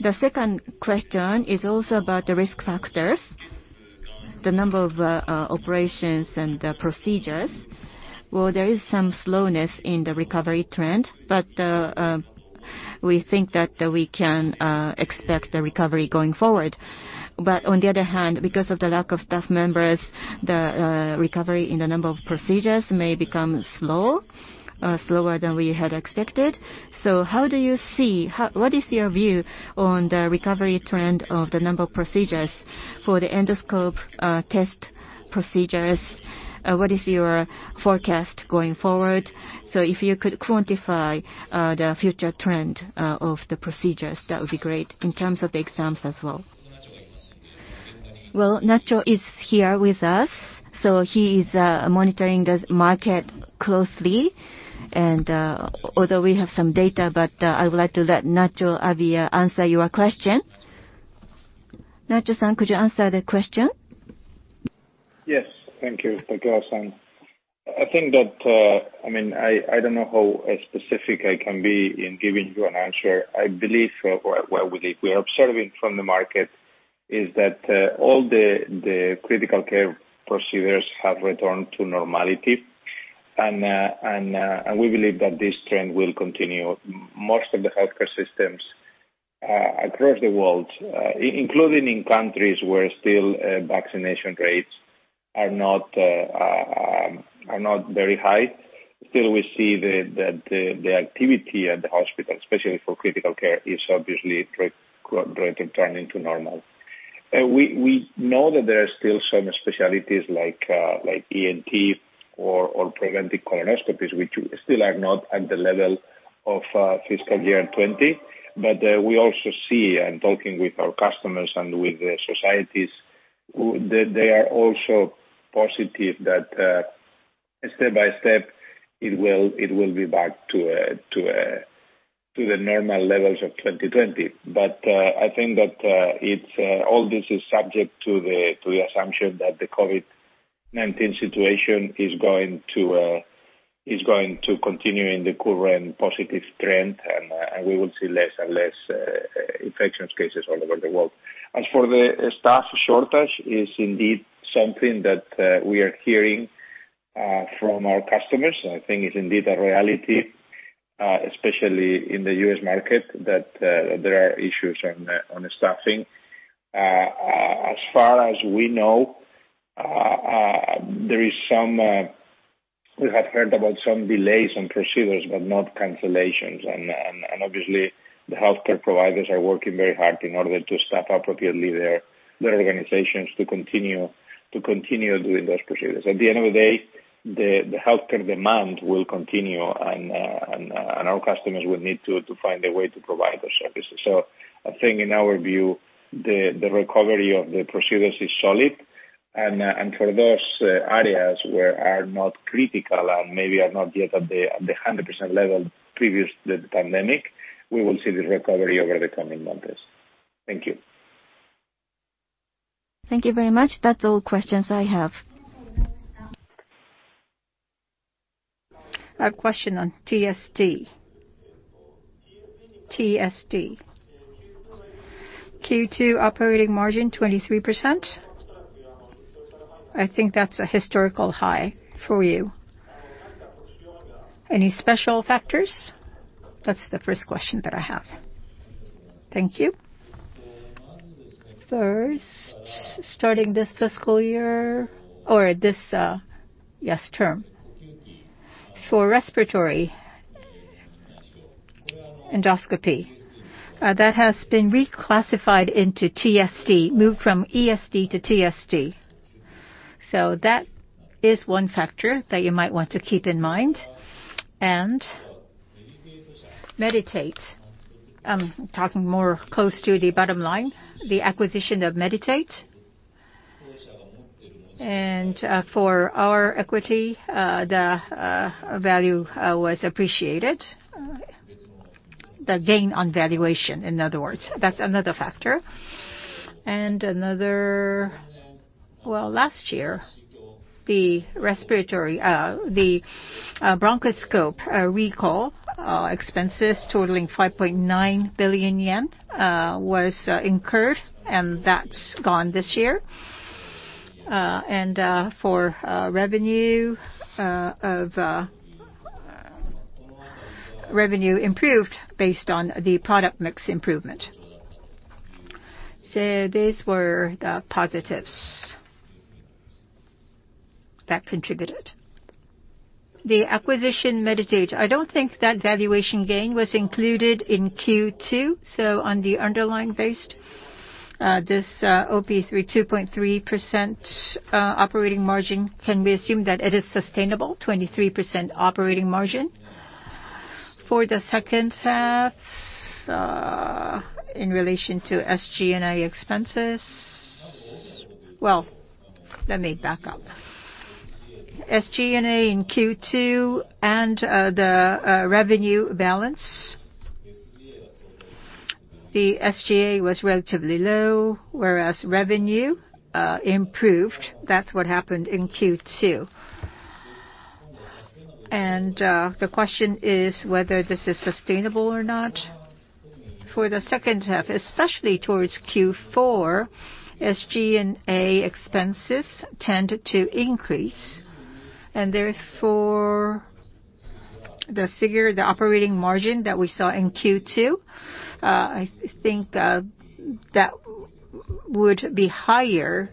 The second question is also about the risk factors, the number of, operations and the procedures. Well, there is some slowness in the recovery trend, but we think that we can expect the recovery going forward. On the other hand, because of the lack of staff members, the recovery in the number of procedures may become slow, slower than we had expected. What is your view on the recovery trend of the number of procedures for the endoscope test procedures? What is your forecast going forward? If you could quantify the future trend of the procedures, that would be great in terms of the exams as well. Well, Nacho is here with us, so he is monitoring the market closely. Although we have some data, but I would like to let Nacho Abia answer your question. Nacho, could you answer the question? Yes. Thank you. Thank you, Takeda-san. I think that, I mean, I don't know how specific I can be in giving you an answer. I believe what we are observing from the market is that all the critical care procedures have returned to normality. We believe that this trend will continue. Most of the healthcare systems across the world, including in countries where still vaccination rates are not very high. Still, we see the activity at the hospital, especially for critical care, is obviously trying to return to normal. We know that there are still some specialties like ENT or preventive colonoscopies, which still are not at the level of fiscal year 2020. We also see in talking with our customers and with the societies, they are also positive that step by step it will be back to the normal levels of 2020. I think that all this is subject to the assumption that the COVID-19 situation is going to continue in the current positive trend, and we will see less and less infection cases all over the world. As for the staff shortage, it is indeed something that we are hearing from our customers. I think it's indeed a reality, especially in the U.S. market, that there are issues on staffing. As far as we know, we have heard about some delays on procedures, but not cancellations. Obviously the healthcare providers are working very hard in order to staff appropriately their organizations to continue doing those procedures. At the end of the day, the healthcare demand will continue and our customers will need to find a way to provide those services. I think in our view, the recovery of the procedures is solid and for those areas where are not critical and maybe are not yet at the 100% level previous the pandemic, we will see the recovery over the coming months. Thank you. Thank you very much. That's all the questions I have. A question on TSD. Q2 operating margin 23%. I think that's a historical high for you. Any special factors? That's the first question that I have. Thank you. First, starting this fiscal year or this term. For respiratory endoscopy, that has been reclassified into TSD, moved from ESD to TSD. So that is one factor that you might want to keep in mind. And Medi-Tate, I'm talking more close to the bottom line, the acquisition of Medi-Tate. And, for our equity, the value was appreciated. The gain on valuation in other words. That's another factor. And another. Well, last year, the respiratory, the bronchoscope recall expenses totaling 5.9 billion yen was incurred, and that's gone this year. Revenue improved based on the product mix improvement. These were the positives that contributed. The acquisition Medi-Tate, I don't think that valuation gain was included in Q2, so on the underlying basis, this OP 23.3% operating margin, can we assume that it is sustainable, 23% operating margin? For the second half, in relation to SG&A expenses. Well, let me back up. SG&A in Q2 and the revenue balance. The SG&A was relatively low, whereas revenue improved. That's what happened in Q2. The question is whether this is sustainable or not. For the second half, especially towards Q4, SG&A expenses tend to increase. Therefore, the figure, the operating margin that we saw in Q2, I think, that would be higher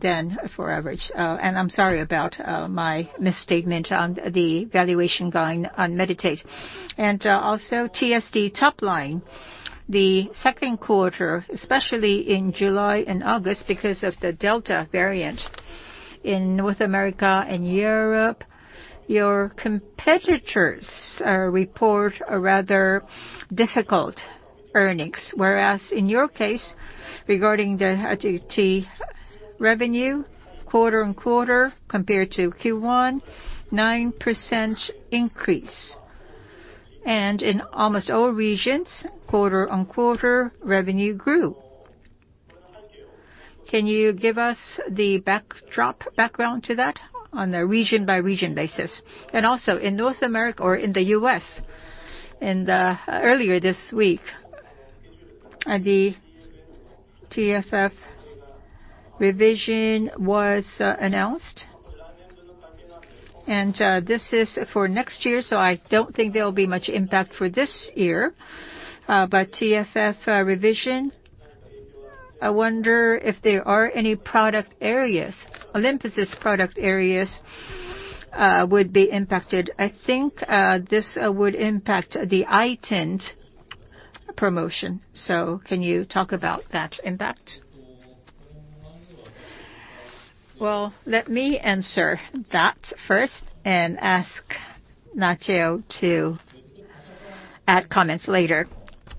than average. I'm sorry about my misstatement on the valuation going on Medi-Tate. Also TSD top line, the second quarter, especially in July and August because of the Delta variant in North America and Europe, your competitors report a rather difficult earnings. Whereas in your case, regarding the TSD revenue quarter-on-quarter compared to Q1, 9% increase. In almost all regions, quarter-on-quarter revenue grew. Can you give us the backdrop, background to that on a region-by-region basis? Also in North America or in the U.S., earlier this week, the TFF revision was announced. This is for next year, so I don't think there will be much impact for this year. But TFF revision, I wonder if there are any product areas, Olympus' product areas, would be impacted. I think this would impact the iTind promotion. Can you talk about that impact? Well, let me answer that first and ask Nacho to add comments later.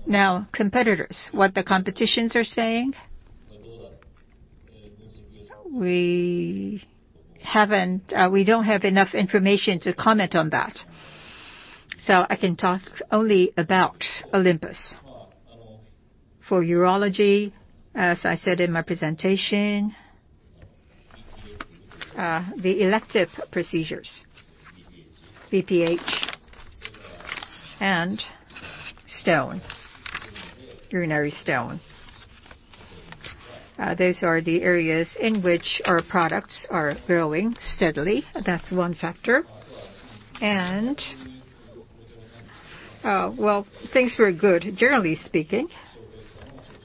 Now, competitors, what the competitors are saying. We don't have enough information to comment on that. I can talk only about Olympus. For urology, as I said in my presentation, the elective procedures, BPH and stone, urinary stone, those are the areas in which our products are growing steadily. That's one factor. Well, things were good, generally speaking,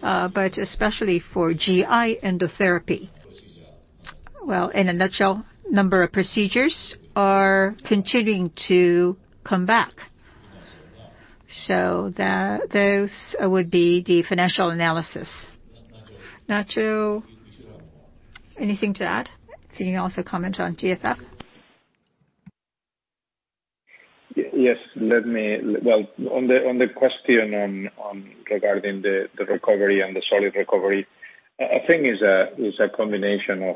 but especially for GI endotherapy. Well, in a nutshell, number of procedures are continuing to come back so that those would be the financial analysis. Nacho, anything to add? Can you also comment on TFF? Yes. Well, on the question regarding the recovery and the solid recovery, I think is a combination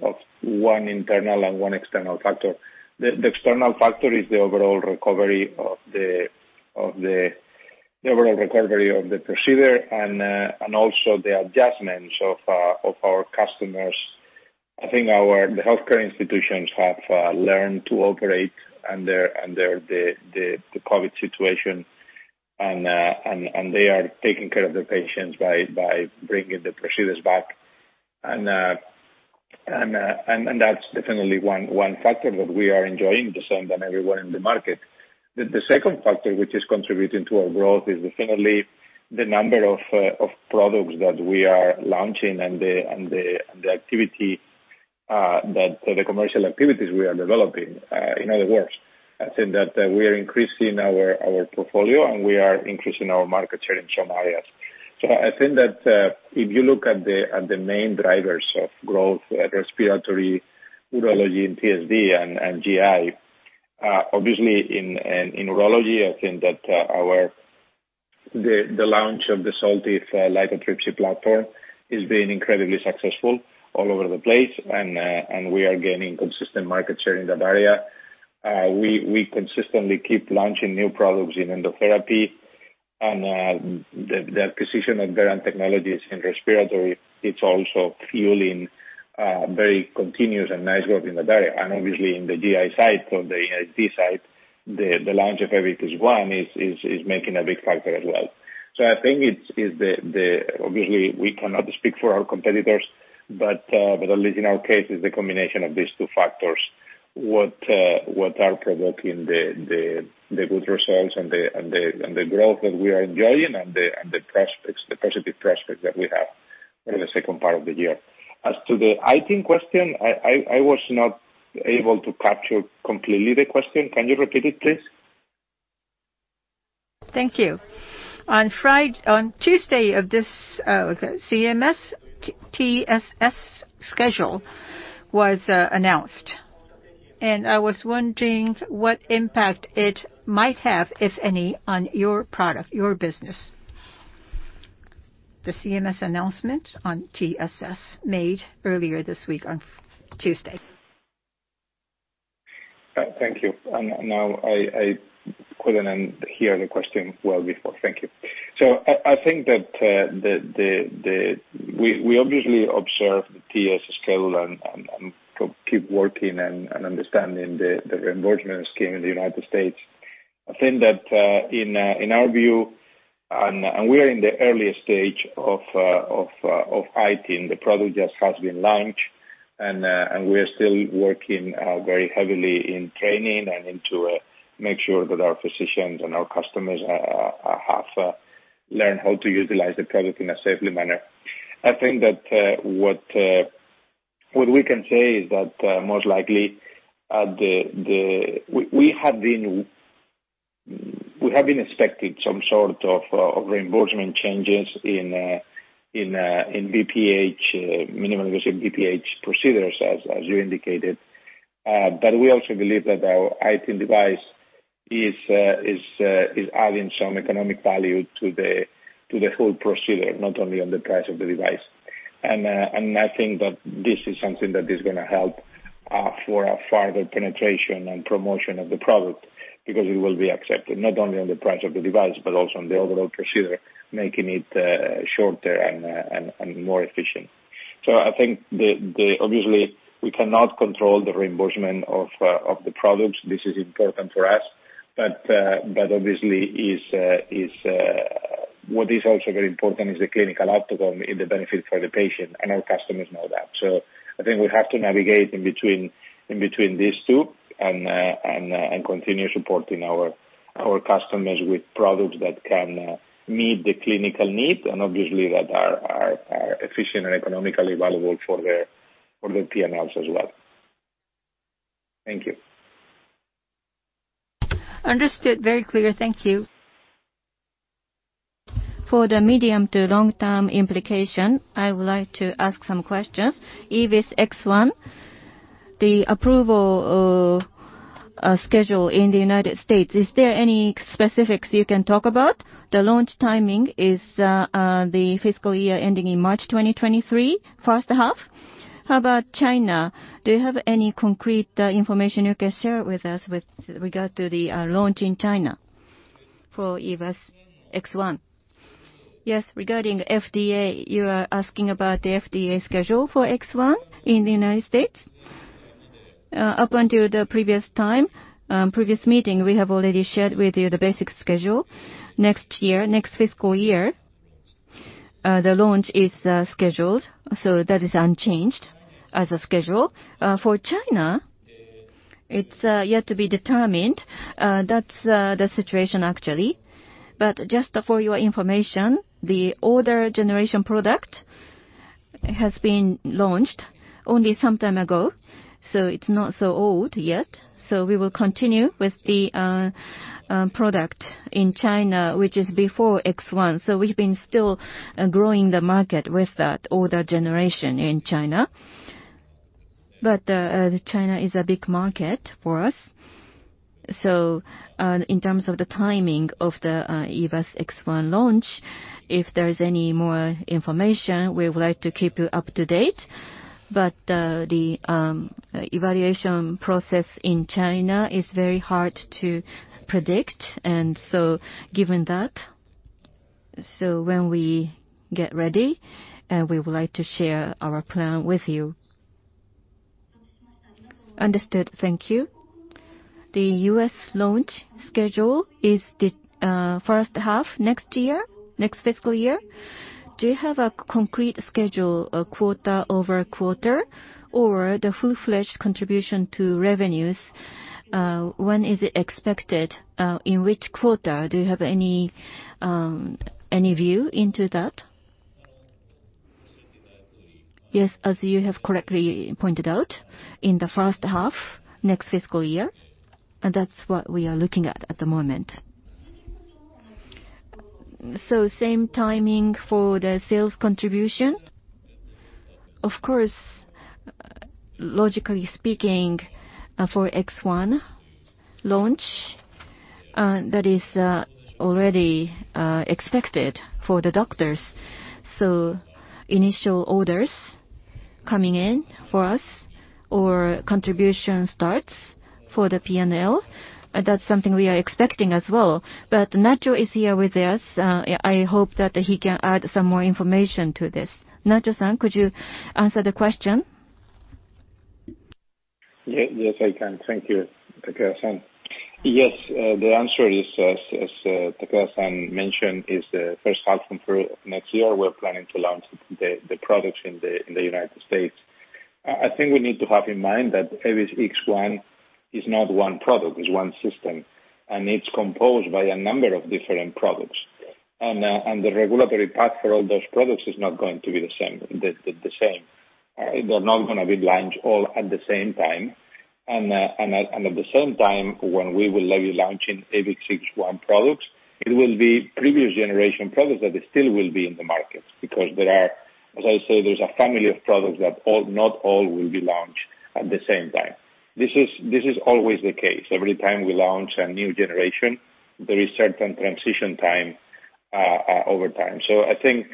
of one internal and one external factor. The external factor is the overall recovery of the procedure and also the adjustments of our customers. I think our healthcare institutions have learned to operate under the COVID situation and they are taking care of their patients by bringing the procedures back. That's definitely one factor that we are enjoying the same than everyone in the market. The second factor which is contributing to our growth is definitely the number of products that we are launching and the commercial activities we are developing. In other words, I think that we are increasing our portfolio, and we are increasing our market share in some areas. I think that if you look at the main drivers of growth, respiratory, urology, and TSD and GI, obviously in urology, I think that the launch of the SOLTIVE lithotripsy platform has been incredibly successful all over the place and we are gaining consistent market share in that area. We consistently keep launching new products in endotherapy and the acquisition of various technologies in respiratory. It's also fueling very continuous and nice growth in the area. Obviously in the GI side, from the GI side, the launch of EVIS X1 is making a big factor as well. I think it's the. Obviously, we cannot speak for our competitors, but at least in our case, it's the combination of these two factors what are provoking the good results and the growth that we are enjoying and the prospects, the positive prospects that we have in the second part of the year. As to the iTind question, I was not able to capture completely the question. Can you repeat it, please? Thank you. On Tuesday of this, CMS PFS schedule was announced, and I was wondering what impact it might have, if any, on your product, your business. The CMS announcement on PFS made earlier this week on Tuesday. Thank you. Now I couldn't hear the question well before. Thank you. I think that we obviously observe the PFS schedule and keep working and understanding the reimbursement scheme in the United States. I think that in our view, we are in the early stage of iTind. The product just has been launched, and we are still working very heavily in training and to make sure that our physicians and our customers have learned how to utilize the product in a safe manner. I think that what we can say is that most likely the We have been expecting some sort of reimbursement changes in BPH minimally invasive BPH procedures as you indicated. But we also believe that our iTind device is adding some economic value to the whole procedure, not only on the price of the device. I think that this is something that is gonna help for a further penetration and promotion of the product, because it will be accepted not only on the price of the device, but also on the overall procedure, making it shorter and more efficient. Obviously, we cannot control the reimbursement of the products. This is important for us, but obviously is. What is also very important is the clinical outcome and the benefit for the patient, and our customers know that. I think we have to navigate in between these two and continue supporting our customers with products that can meet the clinical need and obviously that are efficient and economically valuable for their P&Ls as well. Thank you. Understood. Very clear. Thank you. For the medium to long-term implication, I would like to ask some questions. EVIS X1, the approval, schedule in the United States, is there any specifics you can talk about? The launch timing is, the fiscal year ending in March 2023, first half. How about China? Do you have any concrete, information you can share with us with regard to the, launch in China for EVIS X1? Yes. Regarding FDA, you are asking about the FDA schedule for X1 in the United States. Up until the previous time, previous meeting, we have already shared with you the basic schedule. Next year, next fiscal year, the launch is, scheduled, so that is unchanged as a schedule. For China, it's, yet to be determined. That's, the situation actually. Just for your information, the older generation product has been launched only some time ago, so it's not so old yet. We will continue with the product in China, which is before X1. We've been still growing the market with that older generation in China. China is a big market for us. In terms of the timing of the EVIS X1 launch, if there's any more information, we would like to keep you up to date. The evaluation process in China is very hard to predict. Given that, when we get ready, we would like to share our plan with you. Understood. Thank you. The U.S. launch schedule is the first half next year, next fiscal year. Do you have a concrete schedule, quarter over quarter? The full-fledged contribution to revenues, when is it expected? In which quarter? Do you have any view into that? Yes. As you have correctly pointed out, in the first half next fiscal year. That's what we are looking at at the moment. Same timing for the sales contribution? Of course, logically speaking, for X1 launch, that is already expected for the doctors. Initial orders coming in for us or contribution starts for the P&L, that's something we are expecting as well. Nacho is here with us. I hope that he can add some more information to this. Nacho-san, could you answer the question? Yes, I can. Thank you, Takeda-san. Yes. The answer is, as Takeda-san mentioned, the first half of next year we're planning to launch the products in the United States. I think we need to have in mind that EVIS X1 is not one product, it's one system, and it's composed by a number of different products. The regulatory path for all those products is not going to be the same. They're not gonna be launched all at the same time. At the same time, when we will be launching EVIS X1 products, it will be previous generation products that still will be in the market. Because there's a family of products that not all will be launched at the same time. This is always the case. Every time we launch a new generation, there is certain transition time over time. I think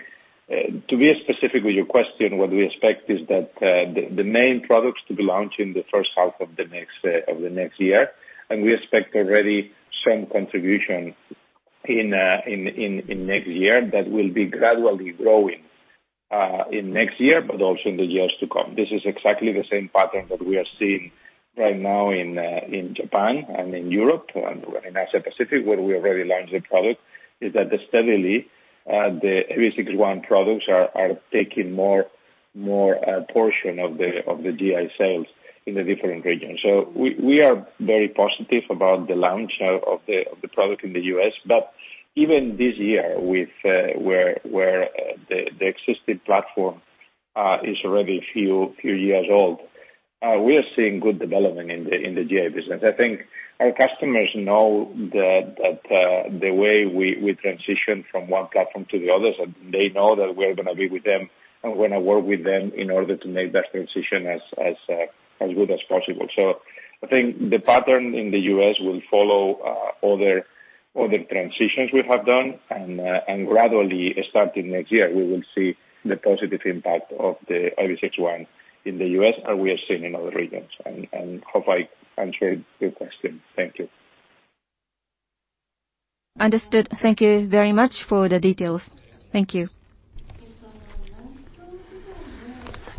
to be specific with your question, what we expect is that the main products to be launched in the first half of the next year. We expect already some contribution in next year that will be gradually growing in next year but also in the years to come. This is exactly the same pattern that we are seeing right now in Japan and in Europe and in Asia Pacific, where we already launched the product, is that steadily the EVIS X1 products are taking more portion of the GI sales in the different regions. We are very positive about the launch of the product in the U.S. Even this year with the existing platform is already a few years old, we are seeing good development in the GI business. I think our customers know that the way we transition from one platform to the other, so they know that we're gonna be with them and we're gonna work with them in order to make that transition as good as possible. I think the pattern in the U.S. will follow other transitions we have done. Gradually starting next year, we will see the positive impact of the EVIS X1 in the U.S., as we are seeing in other regions. I hope I answered your question. Thank you. Understood. Thank you very much for the details. Thank you.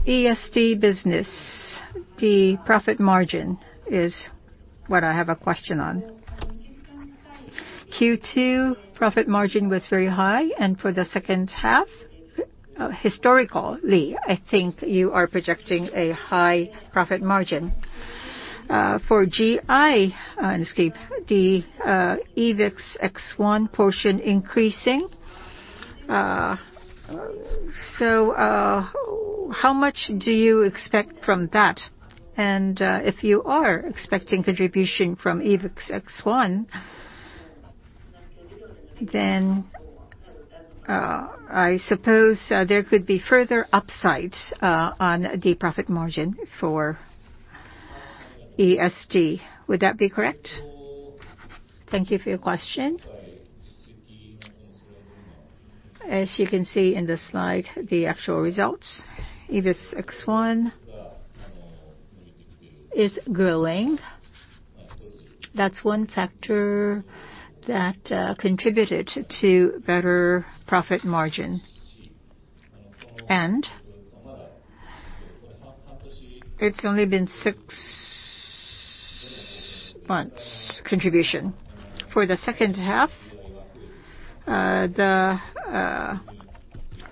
ESD business, the profit margin is what I have a question on. Q2 profit margin was very high, and for the second half, historically, I think you are projecting a high profit margin. For GI endoscopy, the EVIS X1 portion increasing. How much do you expect from that? If you are expecting contribution from EVIS X1, then I suppose there could be further upside on the profit margin for ESD. Would that be correct? Thank you for your question. As you can see in the slide, the actual results, EVIS X1 is growing. That's one factor that contributed to better profit margin. It's only been six months' contribution. For the second half, the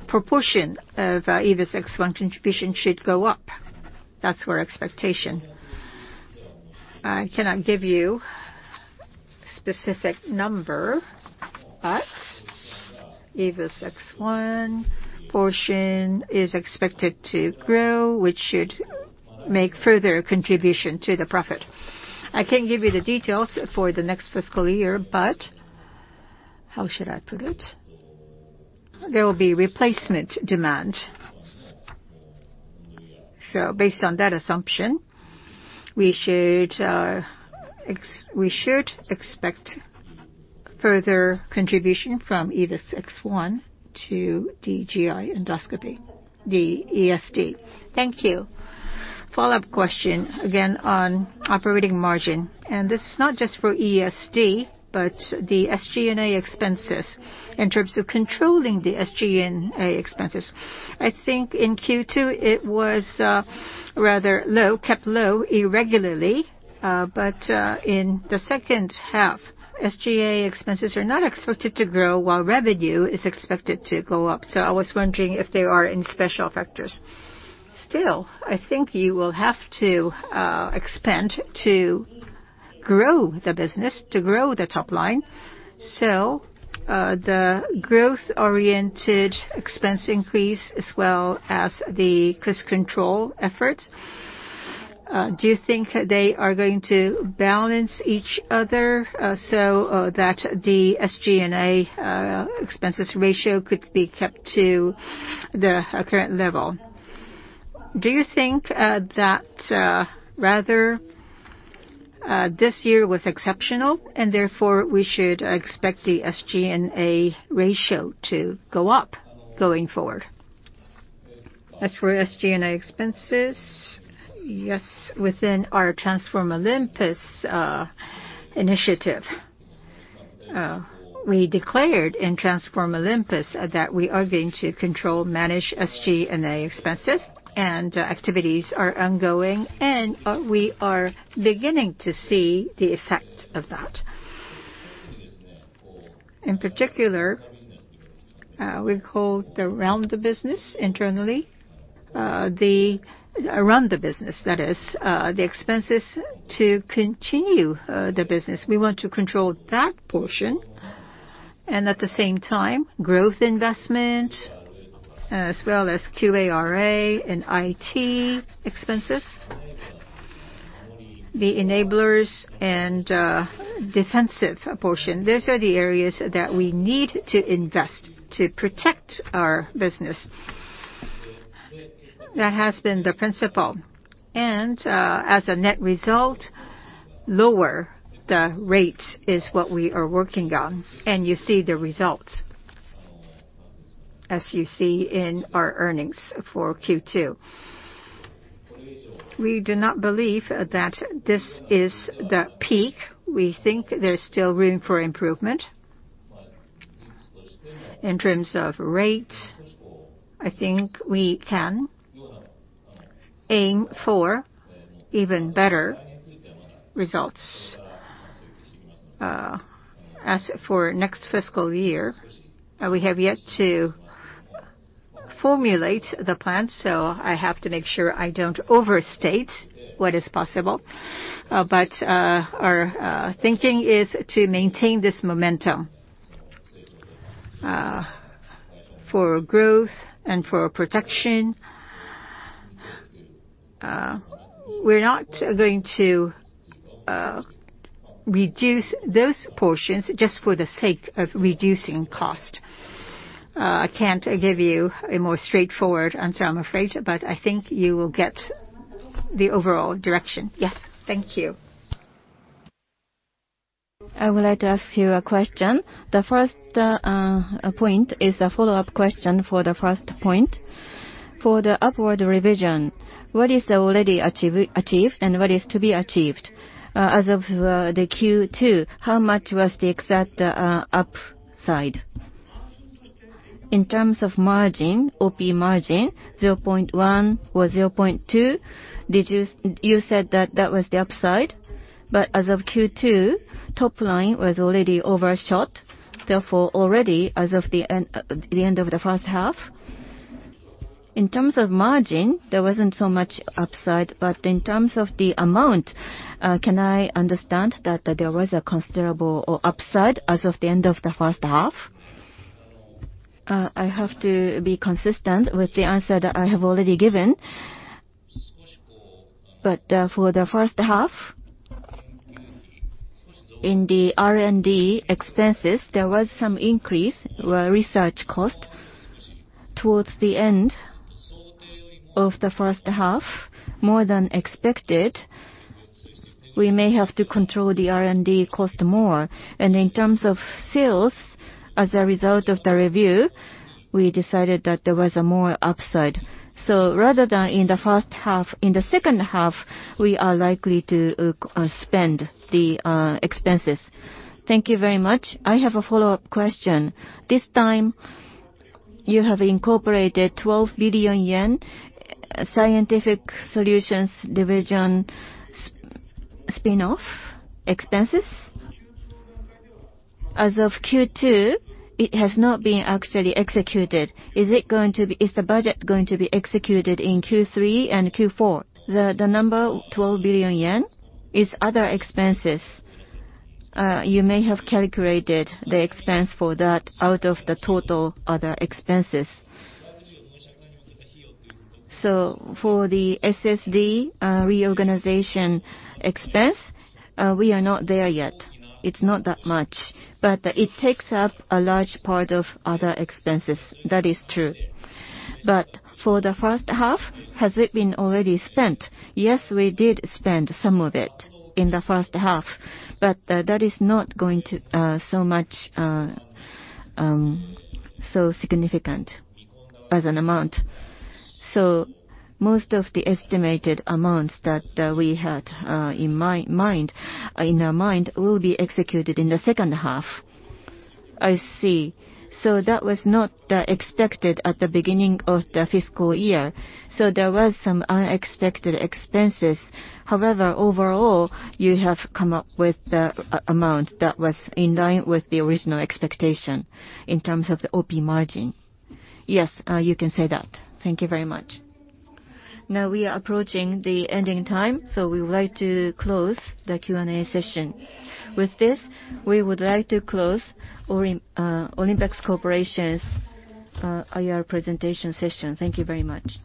proportion of EVIS X1 contribution should go up. That's our expectation. I cannot give you specific number, but EVIS X1 portion is expected to grow, which should make further contribution to the profit. I can't give you the details for the next fiscal year, but, how should I put it? There will be replacement demand. Based on that assumption, we should expect further contribution from EVIS X1 to the GI endoscopy, the ESD. Thank you. Follow-up question, again, on operating margin, and this is not just for ESD, but the SG&A expenses. In terms of controlling the SG&A expenses, I think in Q2 it was rather low, kept low irregularly. In the second half, SG&A expenses are not expected to grow while revenue is expected to go up, so I was wondering if there are any special factors. Still, I think you will have to expand to grow the business, to grow the top line. The growth-oriented expense increase as well as the cost control efforts, do you think they are going to balance each other, that the SG&A expenses ratio could be kept to the current level? Do you think that rather this year was exceptional and therefore we should expect the SG&A ratio to go up going forward? As for SG&A expenses, yes, within our Transform Olympus initiative, we declared in Transform Olympus that we are going to control, manage SG&A expenses, and activities are ongoing and we are beginning to see the effect of that. In particular, we call the "run the business" internally. The run the business, that is, the expenses to continue the business. We want to control that portion and at the same time growth investment as well as QARA and IT expenses. The enablers and defensive portion, those are the areas that we need to invest to protect our business. That has been the principle. As a net result, lower the rate is what we are working on, and you see the results as you see in our earnings for Q2. We do not believe that this is the peak. We think there's still room for improvement. In terms of rate, I think we can aim for even better results, as for next fiscal year. We have yet to formulate the plan, so I have to make sure I don't overstate what is possible. Our thinking is to maintain this momentum, for growth and for protection. We're not going to reduce those portions just for the sake of reducing cost. I can't give you a more straightforward answer, I'm afraid, but I think you will get the overall direction. Yes. Thank you. I would like to ask you a question. The first point is a follow-up question for the first point. For the upward revision, what is already achieved and what is to be achieved? As of the Q2, how much was the exact upside? In terms of margin, OP margin, 0.1% or 0.2%. You said that was the upside, but as of Q2, top line was already overshot, therefore already as of the end of the first half. In terms of margin, there wasn't so much upside, but in terms of the amount, can I understand that there was a considerable upside as of the end of the first half? I have to be consistent with the answer that I have already given. For the first half, in the R&D expenses, there was some increase, research cost towards the end of the first half, more than expected. We may have to control the R&D cost more. In terms of sales, as a result of the review, we decided that there was more upside. Rather than in the first half, in the second half, we are likely to spend the expenses. Thank you very much. I have a follow-up question. This time you have incorporated 12 billion yen Scientific Solutions Division SSD spin-off expenses. As of Q2, it has not been actually executed. Is the budget going to be executed in Q3 and Q4? The number 12 billion yen is other expenses. You may have calculated the expense for that out of the total other expenses. For the SSD reorganization expense, we are not there yet. It's not that much. It takes up a large part of other expenses, that is true. For the first half, has it been already spent? Yes, we did spend some of it in the first half, but that is not going to be so significant as an amount. Most of the estimated amounts that we had in our mind will be executed in the second half. I see. That was not the expected at the beginning of the fiscal year, so there was some unexpected expenses. However, overall, you have come up with the amount that was in line with the original expectation in terms of the OP margin. Yes, you can say that. Thank you very much. Now we are approaching the ending time, so we would like to close the Q&A session. With this, we would like to close Olympus Corporation's IR presentation session. Thank you very much.